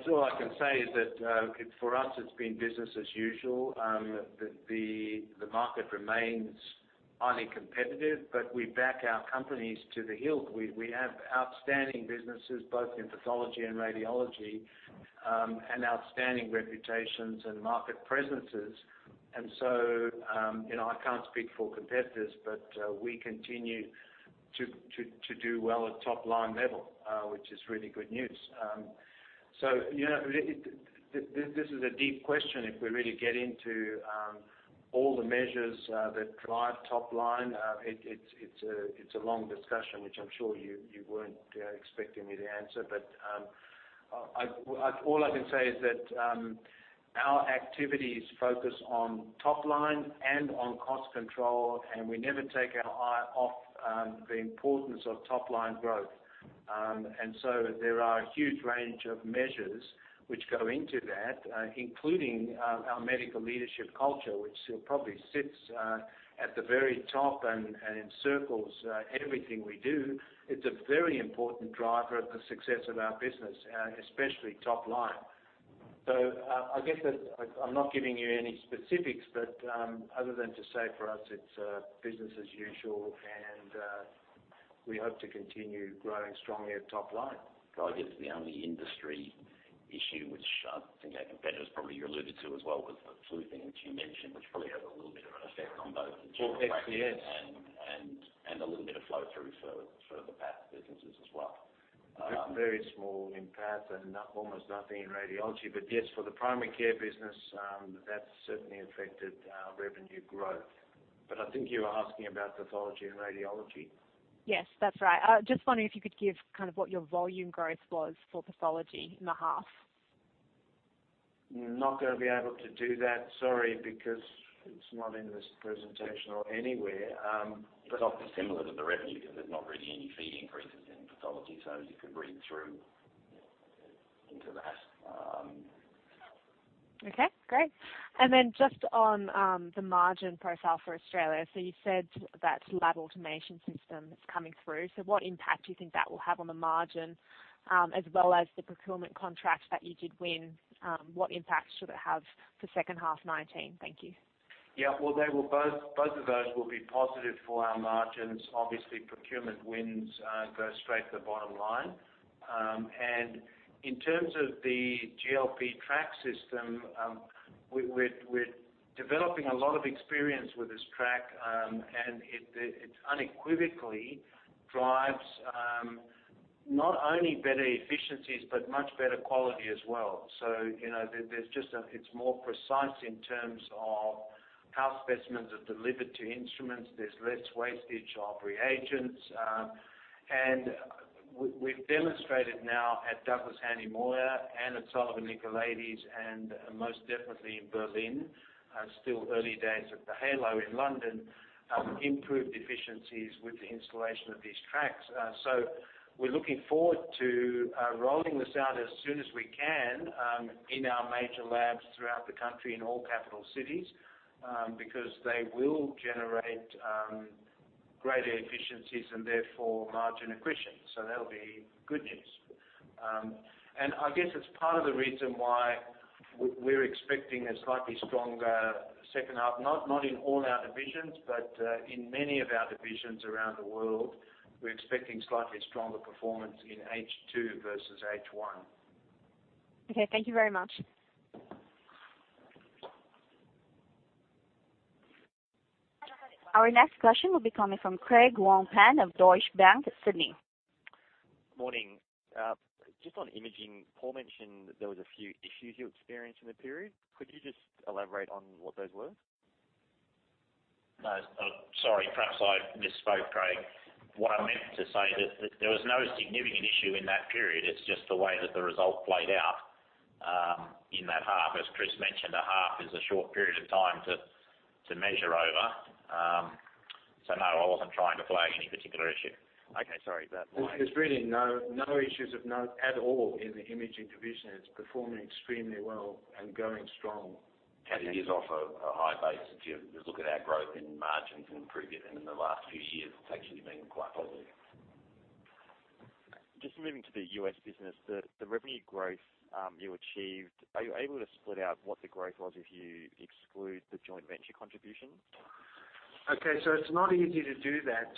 B: All I can say is that for us, it's been business as usual. The market remains highly competitive, but we back our companies to the hilt. We have outstanding businesses, both in pathology and radiology, and outstanding reputations and market presences. I can't speak for competitors, but we continue to do well at top-line level, which is really good news. This is a deep question if we really get into all the measures that drive top line. It's a long discussion, which I'm sure you weren't expecting me to answer, but all I can say is that our activities focus on top line and on cost control, and we never take our eye off the importance of top-line growth. There are a huge range of measures which go into that, including our medical leadership culture, which probably sits at the very top and encircles everything we do. It's a very important driver of the success of our business, especially top line. I guess that I'm not giving you any specifics, but other than to say, for us, it's business as usual, and we hope to continue growing strongly at top line.
D: I guess the only industry issue, which I think our competitors probably alluded to as well, was the flu thing, which you mentioned, which probably has a little bit of an effect on both.
B: Yes.
D: A little bit of flow through for the path businesses as well.
B: Very small in path and almost nothing in radiology. Yes, for the primary care business, that's certainly affected our revenue growth. I think you were asking about pathology and radiology.
G: Yes, that's right. Just wondering if you could give what your volume growth was for pathology in the half.
B: Not going to be able to do that, sorry, because it's not in this presentation or anywhere.
D: It's similar to the revenue because there's not really any fee increases in pathology, you can read through into that.
G: Okay, great. Just on the margin profile for Australia, you said that lab automation system is coming through. What impact do you think that will have on the margin, as well as the procurement contract that you did win? What impact should it have for second half 2019? Thank you.
B: Well, both of those will be positive for our margins. Obviously, procurement wins go straight to the bottom line. In terms of the GLP track system, we're developing a lot of experience with this track, and it unequivocally drives not only better efficiencies but much better quality as well. It's more precise in terms of how specimens are delivered to instruments. There's less wastage of reagents. We've demonstrated now at Douglass Hanly Moir and at Sullivan Nicolaides, and most definitely in Berlin, still early days at the Halo in London, improved efficiencies with the installation of these tracks. We're looking forward to rolling this out as soon as we can in our major labs throughout the country in all capital cities, because they will generate greater efficiencies and therefore margin accretion. That'll be good news. I guess it's part of the reason why we're expecting a slightly stronger second half, not in all our divisions, but in many of our divisions around the world, we're expecting slightly stronger performance in H2 versus H1.
G: Okay. Thank you very much.
A: Our next question will be coming from Craig Wong-Pan of Deutsche Bank, Sydney.
H: Morning. Just on imaging, Paul mentioned that there was a few issues you experienced in the period. Could you just elaborate on what those were?
D: No. Sorry, perhaps I misspoke, Craig. What I meant to say is that there was no significant issue in that period. It's just the way that the result played out in that half. As Chris mentioned, a half is a short period of time to measure over. No, I wasn't trying to flag any particular issue.
H: Okay. Sorry about that.
B: There's really no issues at all in the imaging division. It's performing extremely well and going strong.
D: It is off a high base. If you look at our growth in margins and improvement in the last few years, it's actually been quite positive.
H: Just moving to the U.S. business, the revenue growth you achieved, are you able to split out what the growth was if you exclude the joint venture contribution?
B: Okay. It's not easy to do that,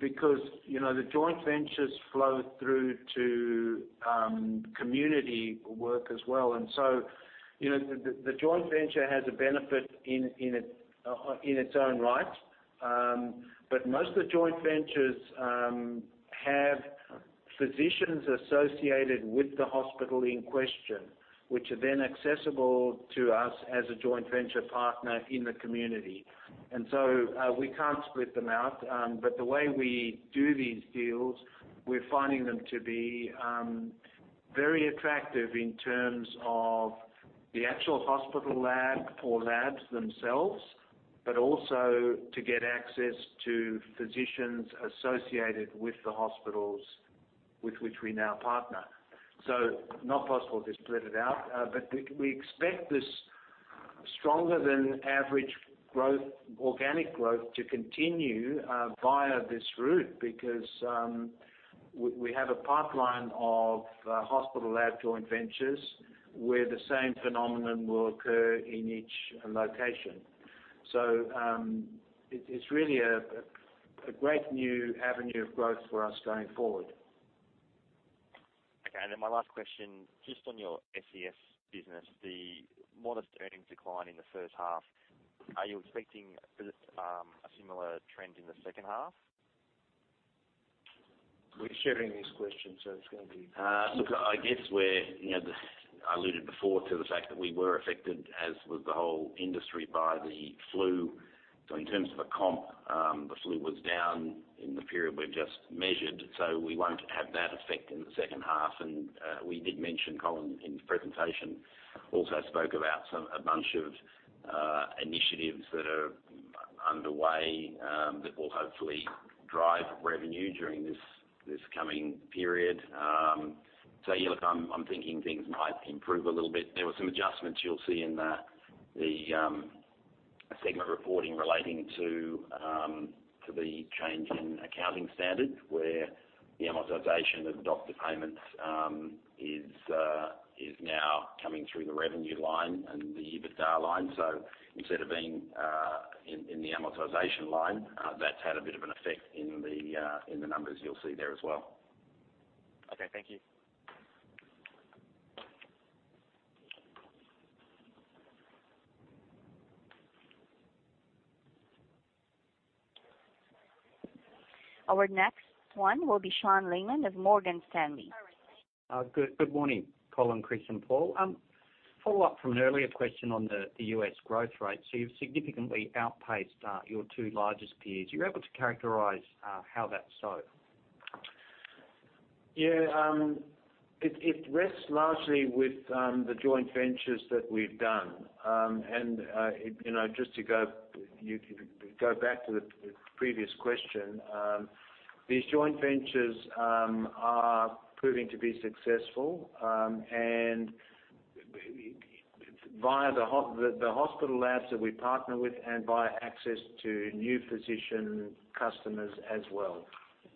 B: because the joint ventures flow through to community work as well. The joint venture has a benefit in its own right. Most of the joint ventures have physicians associated with the hospital in question, which are then accessible to us as a joint venture partner in the community. We can't split them out, but the way we do these deals, we're finding them to be very attractive in terms of the actual hospital lab or labs themselvesBut also to get access to physicians associated with the hospitals with which we now partner. Not possible to split it out, but we expect this stronger than average organic growth to continue via this route because we have a pipeline of hospital lab joint ventures where the same phenomenon will occur in each location. It's really a great new avenue of growth for us going forward.
H: Okay. My last question, just on your SCS business, the modest earnings decline in the first half. Are you expecting a similar trend in the second half?
B: We're sharing this question, so it's going to be.
D: Look, I alluded before to the fact that we were affected, as was the whole industry, by the flu. In terms of a comp, the flu was down in the period we've just measured, so we won't have that effect in the second half. We did mention, Colin, in the presentation, also spoke about a bunch of initiatives that are underway, that will hopefully drive revenue during this coming period. Yeah, look, I'm thinking things might improve a little bit. There were some adjustments you'll see in the segment reporting relating to the change in accounting standards where the amortization of doctor payments is now coming through the revenue line and the EBITDA line. Instead of being in the amortization line, that's had a bit of an effect in the numbers you'll see there as well.
H: Okay. Thank you.
A: Our next one will be Sean Layman of Morgan Stanley.
I: Good morning, Colin, Chris, and Paul. Follow up from an earlier question on the U.S. growth rate. You've significantly outpaced your two largest peers. Are you able to characterize how that's so?
B: It rests largely with the joint ventures that we've done. Just to go back to the previous question, these joint ventures are proving to be successful via the hospital labs that we partner with and via access to new physician customers as well.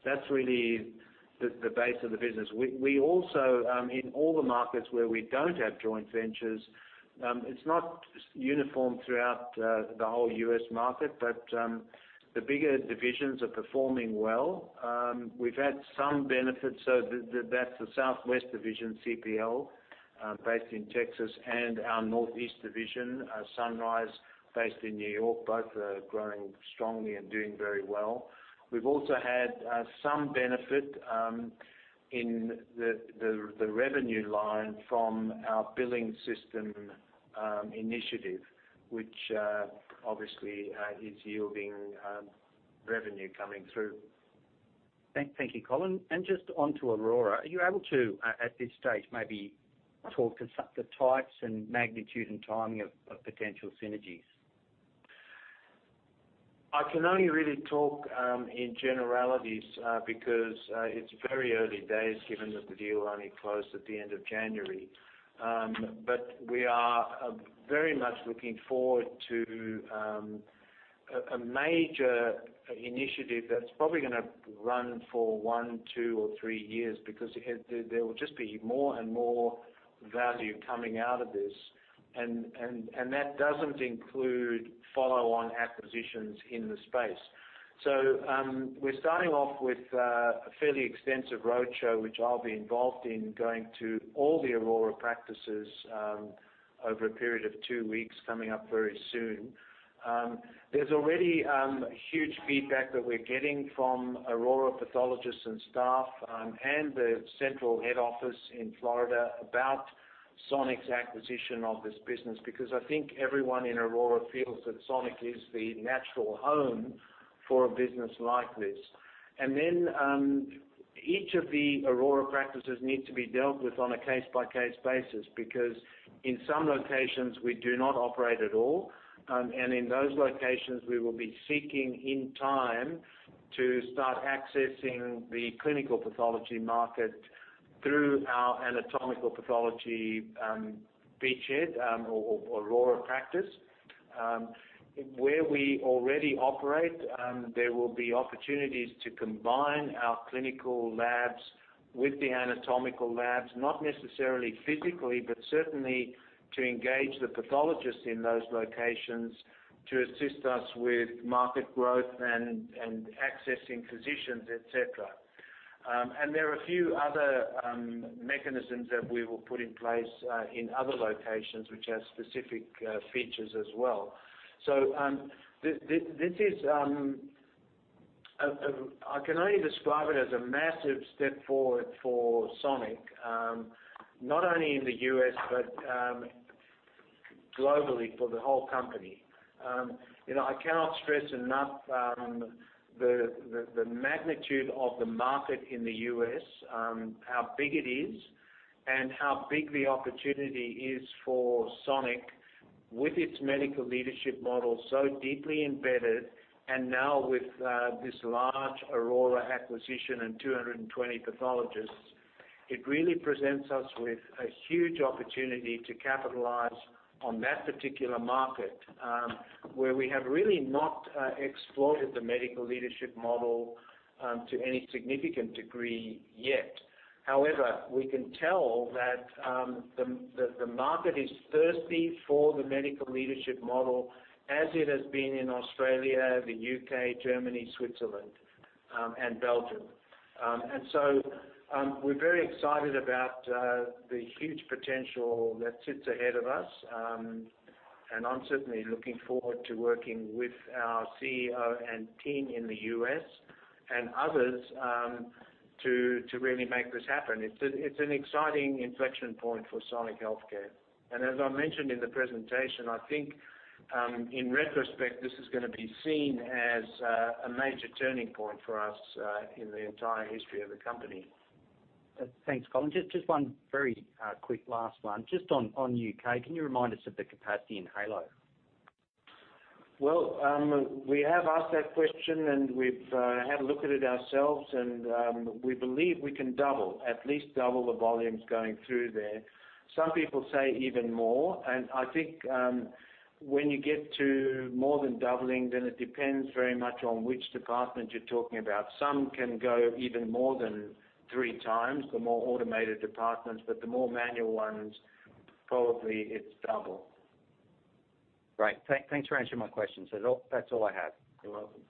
B: That's really the base of the business. We also, in all the markets where we don't have joint ventures, it's not uniform throughout the whole U.S. market, but the bigger divisions are performing well. We've had some benefits, that's the Southwest division, CPL, based in Texas, and our Northeast division, Sunrise, based in New York. Both are growing strongly and doing very well. We've also had some benefit in the revenue line from our billing system initiative, which obviously is yielding revenue coming through.
I: Thank you, Colin. Just onto Aurora. Are you able to, at this stage, maybe talk to the types and magnitude and timing of potential synergies?
B: I can only really talk in generalities, because it's very early days given that the deal only closed at the end of January. We are very much looking forward to a major initiative that's probably going to run for one, two, or three years, because there will just be more and more value coming out of this. That doesn't include follow-on acquisitions in the space. We're starting off with a fairly extensive roadshow, which I'll be involved in, going to all the Aurora practices over a period of two weeks, coming up very soon. There's already huge feedback that we're getting from Aurora pathologists and staff and the central head office in Florida about Sonic's acquisition of this business, because I think everyone in Aurora feels that Sonic is the natural home for a business like this. Each of the Aurora practices need to be dealt with on a case-by-case basis, because in some locations, we do not operate at all. In those locations, we will be seeking, in time, to start accessing the clinical pathology market through our anatomical pathology beachhead, or Aurora practice. Where we already operate, there will be opportunities to combine our clinical labs with the anatomical labs, not necessarily physically, but certainly to engage the pathologists in those locations to assist us with market growth and accessing physicians, et cetera. There are a few other mechanisms that we will put in place in other locations, which have specific features as well. I can only describe it as a massive step forward for Sonic. Not only in the U.S., but globally for the whole company. I cannot stress enough the magnitude of the market in the U.S., how big it is. How big the opportunity is for Sonic, with its medical leadership model so deeply embedded, and now with this large Aurora acquisition and 220 pathologists. It really presents us with a huge opportunity to capitalize on that particular market, where we have really not exploited the medical leadership model to any significant degree yet. However, we can tell that the market is thirsty for the medical leadership model as it has been in Australia, the U.K., Germany, Switzerland, and Belgium. We're very excited about the huge potential that sits ahead of us. I'm certainly looking forward to working with our CEO and team in the U.S., and others, to really make this happen. It's an exciting inflection point for Sonic Healthcare. As I mentioned in the presentation, I think, in retrospect, this is going to be seen as a major turning point for us in the entire history of the company.
I: Thanks, Colin. Just one very quick last one. Just on U.K., can you remind us of the capacity in Halo?
B: Well, we have asked that question and we've had a look at it ourselves, and we believe we can at least double the volumes going through there. Some people say even more. I think, when you get to more than doubling, then it depends very much on which department you're talking about. Some can go even more than three times, the more automated departments. The more manual ones, probably it's double.
I: Right. Thanks for answering my questions. That's all I have.
B: You're welcome.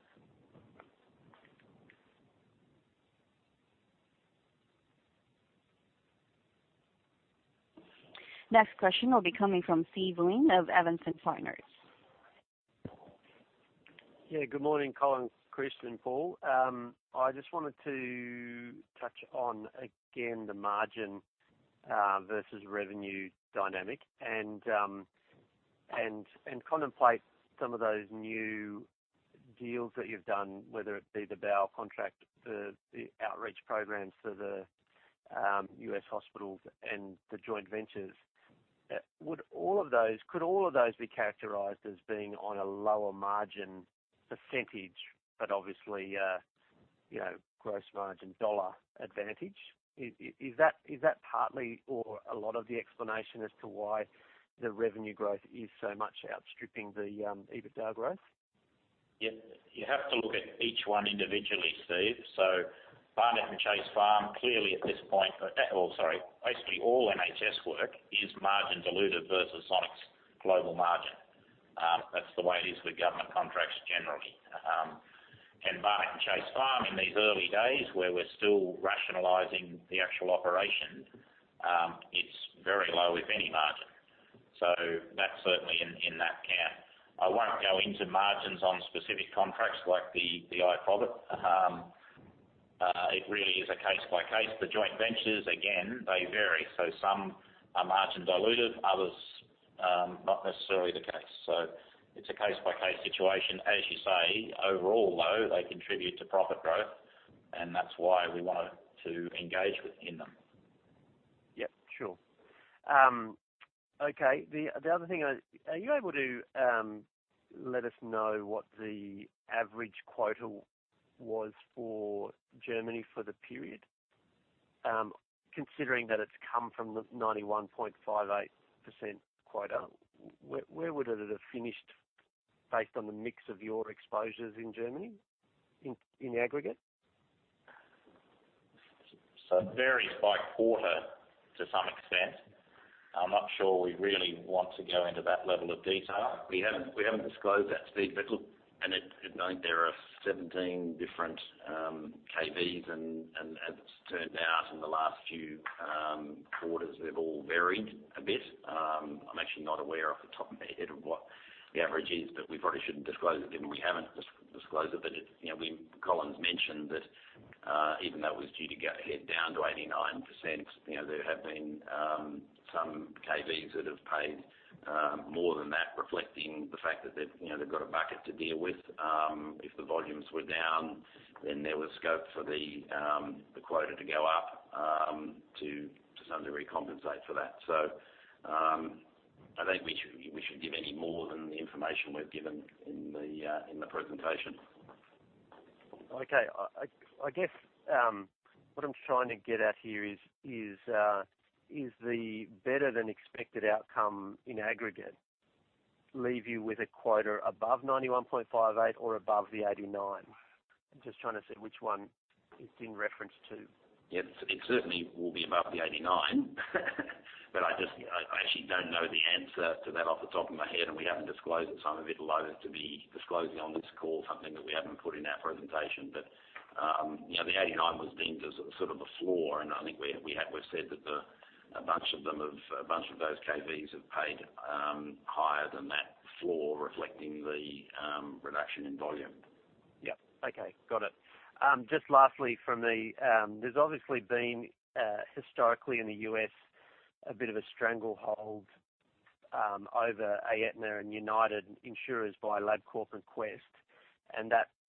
A: Next question will be coming from Steve Wheen of Evans and Partners.
J: Yeah. Good morning, Colin, Chris, and Paul. I just wanted to touch on, again, the margin versus revenue dynamic and contemplate some of those new deals that you've done, whether it be the bowel contract, the outreach programs for the U.S. hospitals, and the joint ventures. Could all of those be characterized as being on a lower margin %, but obviously, gross margin dollar advantage? Is that partly or a lot of the explanation as to why the revenue growth is so much outstripping the EBITDA growth?
D: Yeah. You have to look at each one individually, Steve. Barnet and Chase Farm, clearly at this point, or, sorry, basically all NHS work is margin diluted versus Sonic's global margin. That's the way it is with government contracts generally. Barnet and Chase Farm in these early days, where we're still rationalizing the actual operation, it's very low, if any margin. That's certainly in that camp. I won't go into margins on specific contracts like the iProvor. It really is a case by case. The joint ventures, again, they vary. Some are margin diluted, others not necessarily the case. It's a case by case situation. As you say, overall, though, they contribute to profit growth, and that's why we want to engage within them.
J: Yeah, sure. Okay. The other thing. Are you able to let us know what the average quota was for Germany for the period? Considering that it's come from the 91.58% quota, where would it have finished based on the mix of your exposures in Germany, in aggregate?
D: It varies by quarter to some extent. I'm not sure we really want to go into that level of detail. We haven't disclosed that, Steve. Look, I think there are 17 different KVs, and as it's turned out in the last few quarters, they've all varied a bit. I'm actually not aware off the top of my head what the average is, but we probably shouldn't disclose it given we haven't disclosed it. Colin's mentioned that even though it was due to hit down to 89%, there have been some KVs that have paid more than that, reflecting the fact that they've got a bucket to deal with. If the volumes were down, there was scope for the quota to go up to some degree compensate for that. I don't think we should give any more than the information we've given in the presentation.
J: Okay. I guess what I'm trying to get at here is the better than expected outcome in aggregate leave you with a quota above 91.58 or above the 89? I'm just trying to see which one it's in reference to.
D: Yeah. It certainly will be above the 89. I actually don't know the answer to that off the top of my head, and we haven't disclosed it, I'm a bit loathe to be disclosing on this call something that we haven't put in our presentation. The 89 was deemed as sort of a floor, and I think we've said that a bunch of those KVs have paid higher than that floor, reflecting the reduction in volume.
J: Yeah. Okay. Got it. Just lastly from me. There's obviously been, historically in the U.S., a bit of a stranglehold over Aetna and United insurers via Labcorp and Quest,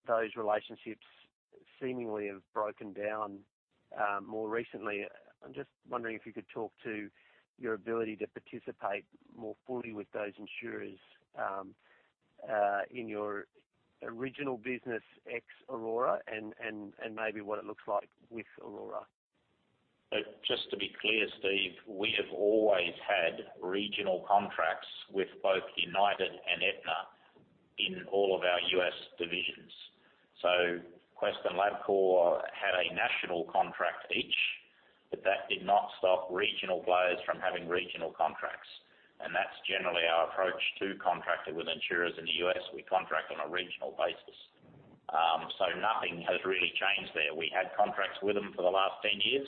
J: those relationships seemingly have broken down more recently. I'm just wondering if you could talk to your ability to participate more fully with those insurers, in your original business, ex Aurora and maybe what it looks like with Aurora.
F: Just to be clear, Steve, we have always had regional contracts with both United and Aetna in all of our U.S. divisions. Quest and Labcorp had a national contract each, but that did not stop regional players from having regional contracts. That's generally our approach to contracting with insurers in the U.S. We contract on a regional basis. Nothing has really changed there. We had contracts with them for the last 10 years,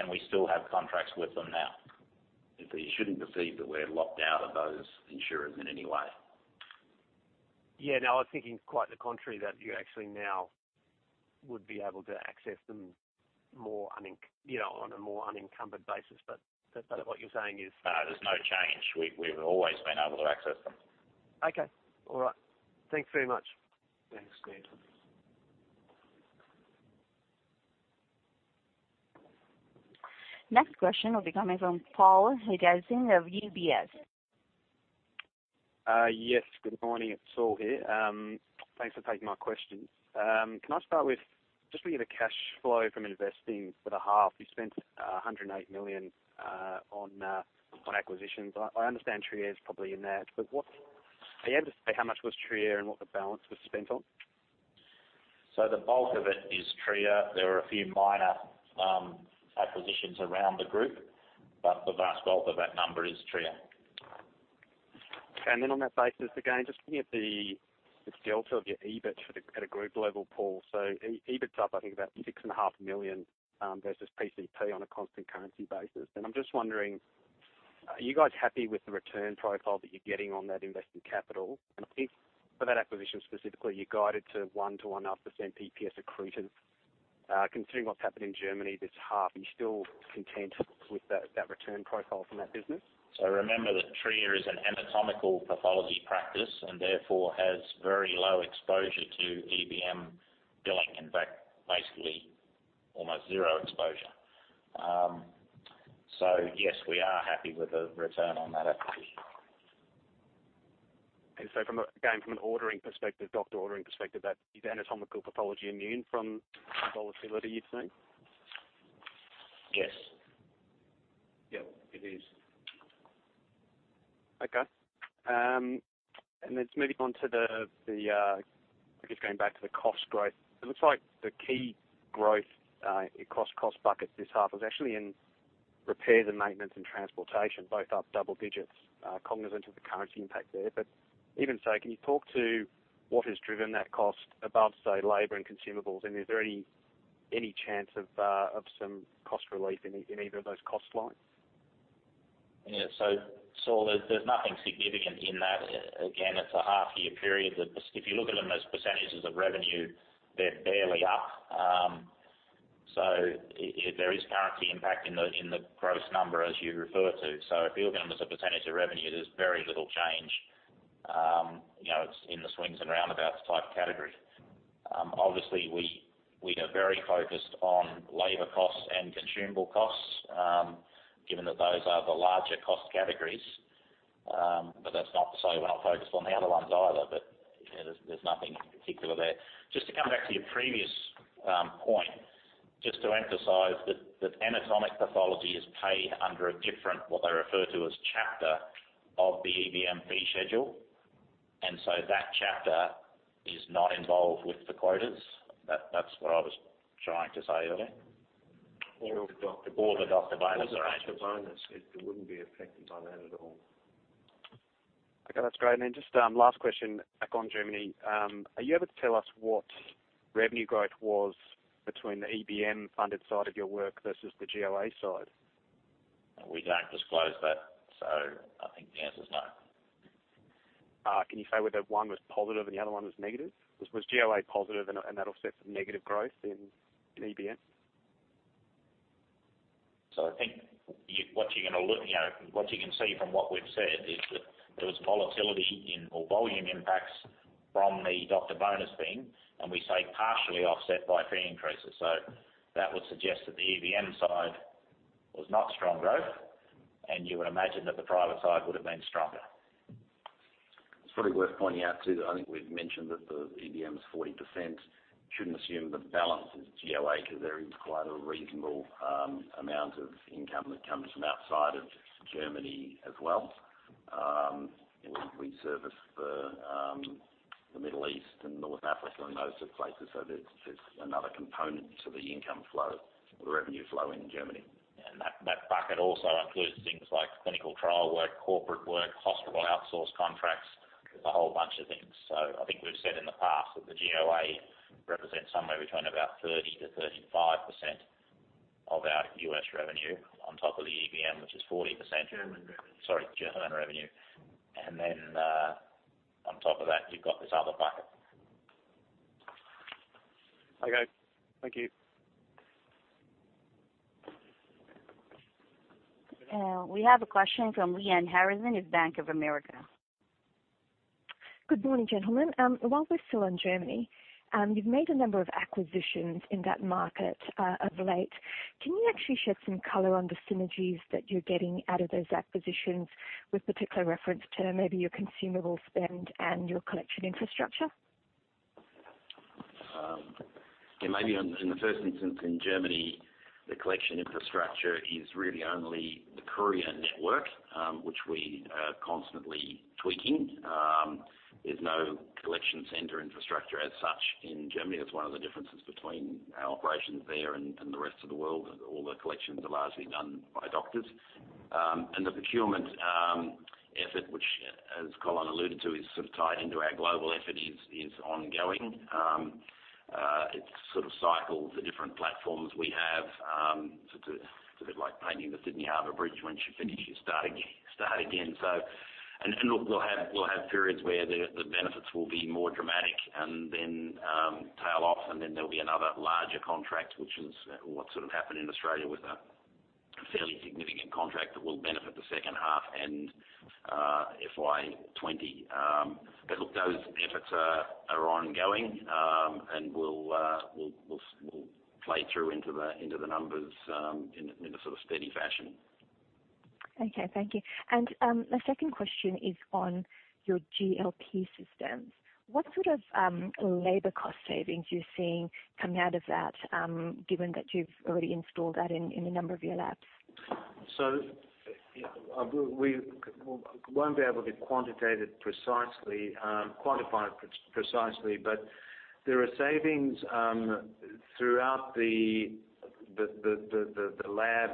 F: and we still have contracts with them now. You shouldn't perceive that we're locked out of those insurers in any way.
J: Yeah. No, I was thinking quite the contrary, that you actually now would be able to access them on a more unencumbered basis. What you're saying is.
F: No, there's no change. We've always been able to access them.
J: Okay. All right. Thanks very much.
F: Thanks, Steve.
A: Next question will be coming from Saul Hadassin of UBS.
K: Yes, good morning. It's Saul here. Thanks for taking my question. Can I start with, just looking at the cash flow from investing for the half, you spent 108 million on acquisitions. I understand Trier is probably in there. Are you able to say how much was Trier and what the balance was spent on?
F: The bulk of it is Trier. There are a few minor acquisitions around the group, but the vast bulk of that number is Trier.
K: Okay. On that basis, again, just looking at the delta of your EBIT at a group level, Paul. EBIT's up, I think about 6.5 million, versus PCP on a constant currency basis. I'm just wondering, are you guys happy with the return profile that you're getting on that invested capital? I think for that acquisition specifically, you guided to 1%-1.5% EPS accretive. Considering what's happened in Germany this half, are you still content with that return profile from that business?
F: Remember that Trier is an anatomical pathology practice and therefore has very low exposure to EBM billing. In fact, basically almost zero exposure. Yes, we are happy with the return on that acquisition.
K: From, again, from an ordering perspective, doctor ordering perspective, that anatomical pathology immune from volatility, you'd say?
F: Yes.
D: It is.
K: Just moving on, I guess going back to the cost growth. It looks like the key growth, across cost buckets this half, was actually in repairs and maintenance and transportation, both up double digits, cognizant of the currency impact there. Can you talk to what has driven that cost above, say, labor and consumables, and is there any chance of some cost relief in either of those cost lines?
F: There's nothing significant in that. Again, it's a half year period that if you look at them as % of revenue, they're barely up. There is currency impact in the gross number as you refer to. If you look at them as a % of revenue, there's very little change, it's in the swings and roundabouts type category. Obviously, we are very focused on labor costs and consumable costs, given that those are the larger cost categories. That's not to say we're not focused on the other ones either, but there's nothing in particular there. Just to come back to your previous point, just to emphasize that anatomical pathology is paid under a different, what they refer to as chapter, of the EBM fee schedule. That chapter is not involved with the quotas. That's what I was trying to say earlier.
D: The doctor bonus.
F: The doctor bonus, right.
D: It wouldn't be affected by that at all.
K: Okay, that's great. Then just, last question, back on Germany. Are you able to tell us what revenue growth was between the EBM-funded side of your work versus the GOÄ side?
F: We don't disclose that, I think the answer's no.
K: Can you say whether one was positive and the other one was negative? Was GOÄ positive and that offset some negative growth in EBM?
F: I think what you can see from what we've said, is that there was volatility in, or volume impacts from the doctor bonus scheme, and we say partially offset by fee increases. That would suggest that the EBM side was not strong growth, and you would imagine that the private side would have been stronger.
D: It's probably worth pointing out, too, that I think we've mentioned that the EBM is 40%, shouldn't assume the balance is GOÄ, because there is quite a reasonable amount of income that comes from outside of Germany as well. We service the Middle East and North Africa and those sorts of places, so there's another component to the income flow, the revenue flow in Germany.
F: That bucket also includes things like clinical trial work, corporate work, hospital outsource contracts, a whole bunch of things. I think we've said in the past that the GOÄ represents somewhere between about 30%-35% of our U.S. revenue on top of the EBM, which is 40%.
D: German revenue.
F: Sorry, German revenue. Then, on top of that, you've got this other bucket.
B: Okay, thank you.
A: We have a question from Lyanne Harrison at Bank of America.
L: Good morning, gentlemen. While we're still on Germany, you've made a number of acquisitions in that market of late. Can you actually shed some color on the synergies that you're getting out of those acquisitions with particular reference to maybe your consumable spend and your collection infrastructure?
D: Yeah, maybe in the first instance, in Germany, the collection infrastructure is really only the courier network, which we are constantly tweaking. There's no collection center infrastructure as such in Germany. That's one of the differences between our operations there and the rest of the world. All the collections are largely done by doctors. The procurement effort, which, as Colin alluded to, is sort of tied into our global effort, is ongoing. It sort of cycles the different platforms we have. It's a bit like painting the Sydney Harbour Bridge, once you finish, you start again. Look, we'll have periods where the benefits will be more dramatic and then tail off, and then there'll be another larger contract, which is what sort of happened in Australia with a fairly significant contract that will benefit the second half and FY 2020. Look, those efforts are ongoing, and will play through into the numbers in a sort of steady fashion.
L: Okay. Thank you. My second question is on your GLP Systems. What sort of labor cost savings are you seeing come out of that, given that you've already installed that in a number of your labs?
B: We won't be able to quantify it precisely, but there are savings throughout the lab,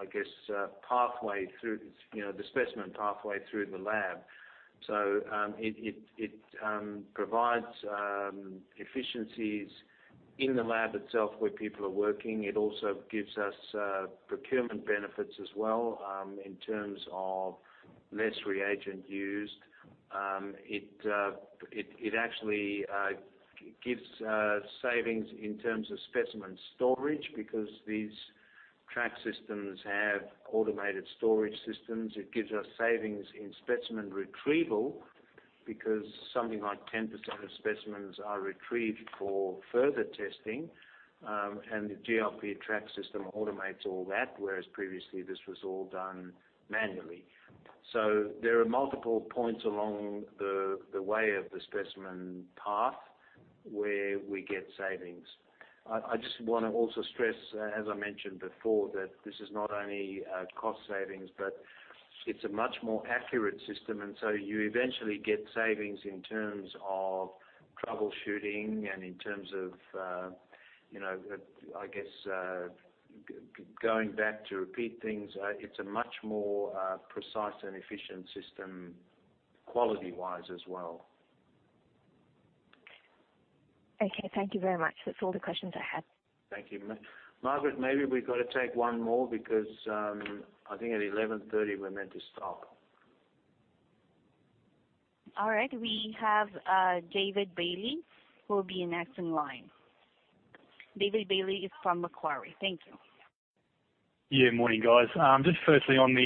B: I guess, the specimen pathway through the lab. It provides efficiencies in the lab itself where people are working. It also gives us procurement benefits as well, in terms of less reagent used. It actually gives savings in terms of specimen storage because these track systems have automated storage systems. It gives us savings in terms of specimen retrieval because something like 10% of specimens are retrieved for further testing, and the GLP track system automates all that, whereas previously this was all done manually. There are multiple points along the way of the specimen path where we get savings. I just want to also stress, as I mentioned before, that this is not only cost savings, but it's a much more accurate system, you eventually get savings in terms of troubleshooting and in terms of, I guess, going back to repeat things. It's a much more precise and efficient system quality-wise as well.
L: Okay. Thank you very much. That's all the questions I had.
B: Thank you. Margaret, maybe we've got to take one more because I think at 11:30 we're meant to stop.
A: All right. We have David Bailey who will be next in line. David Bailey is from Macquarie. Thank you.
M: Yeah, morning, guys. Just firstly, on the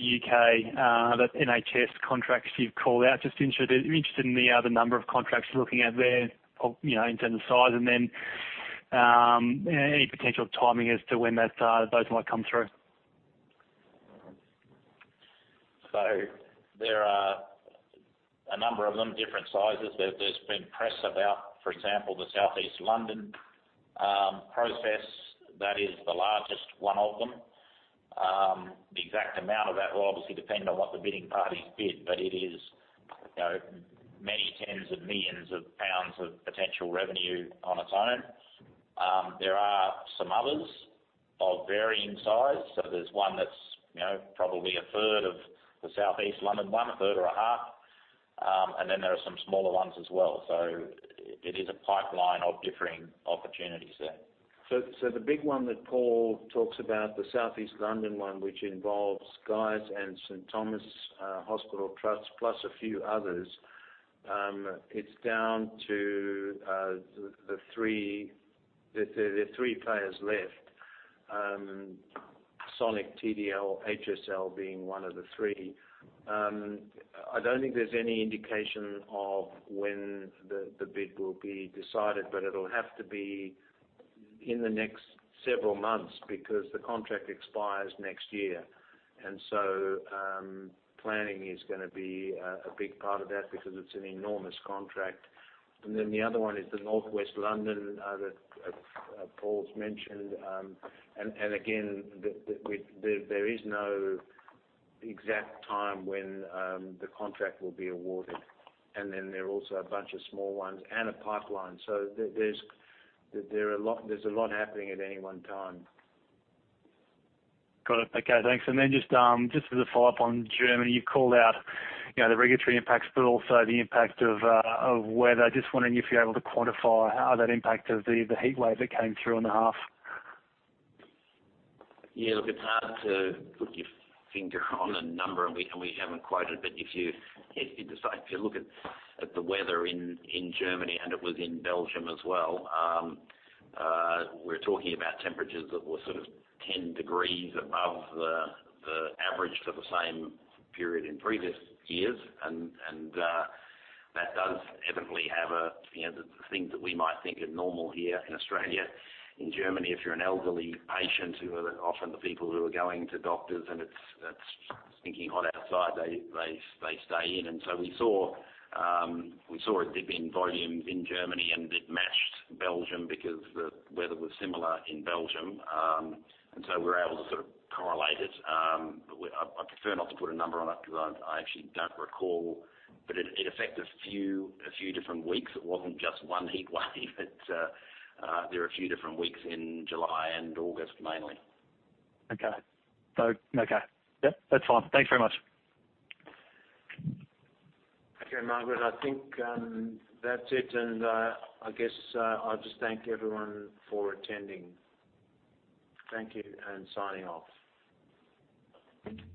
M: U.K., that NHS contracts you've called out, just interested in the other number of contracts you're looking at there in terms of size, and then any potential timing as to when those might come through.
D: There are a number of them, different sizes. There's been press about, for example, the Southeast London process. That is the largest one of them. The exact amount of that will obviously depend on what the bidding parties bid, but it is many tens of millions of GBP of potential revenue on its own. There are some others of varying size. There's one that's probably a third of the Southeast London one, a third or a half. There are some smaller ones as well. It is a pipeline of differing opportunities there.
B: The big one that Paul talks about, the Southeast London one, which involves Guy's and St Thomas' Hospital Trust, plus a few others, it's down to the three players left, Sonic, TDL, HSL being one of the three. I don't think there's any indication of when the bid will be decided, but it'll have to be in the next several months because the contract expires next year. Planning is gonna be a big part of that because it's an enormous contract. The other one is the Northwest London that Paul's mentioned. Again, there is no exact time when the contract will be awarded. There are also a bunch of small ones and a pipeline. There's a lot happening at any one time.
M: Got it. Okay, thanks. Just as a follow-up on Germany, you called out the regulatory impacts, but also the impact of weather. Just wondering if you're able to quantify how that impacted the heatwave that came through in the half.
D: Yeah, look, it's hard to put your finger on a number, we haven't quoted, but if you look at the weather in Germany, and it was in Belgium as well, we're talking about temperatures that were sort of 10 degrees above the average for the same period in previous years. The things that we might think are normal here in Australia, in Germany, if you're an elderly patient who are often the people who are going to doctors and it's stinking hot outside, they stay in. We saw a dip in volume in Germany, and it matched Belgium because the weather was similar in Belgium. We were able to sort of correlate it. I prefer not to put a number on it because I actually don't recall, but it affected a few different weeks. It wasn't just one heat wave, there were a few different weeks in July and August, mainly.
M: Okay. Okay. Yep, that's fine. Thanks very much.
B: Okay, Margaret, I think that's it, and I guess I'll just thank everyone for attending. Thank you, and signing off.
A: Thank you.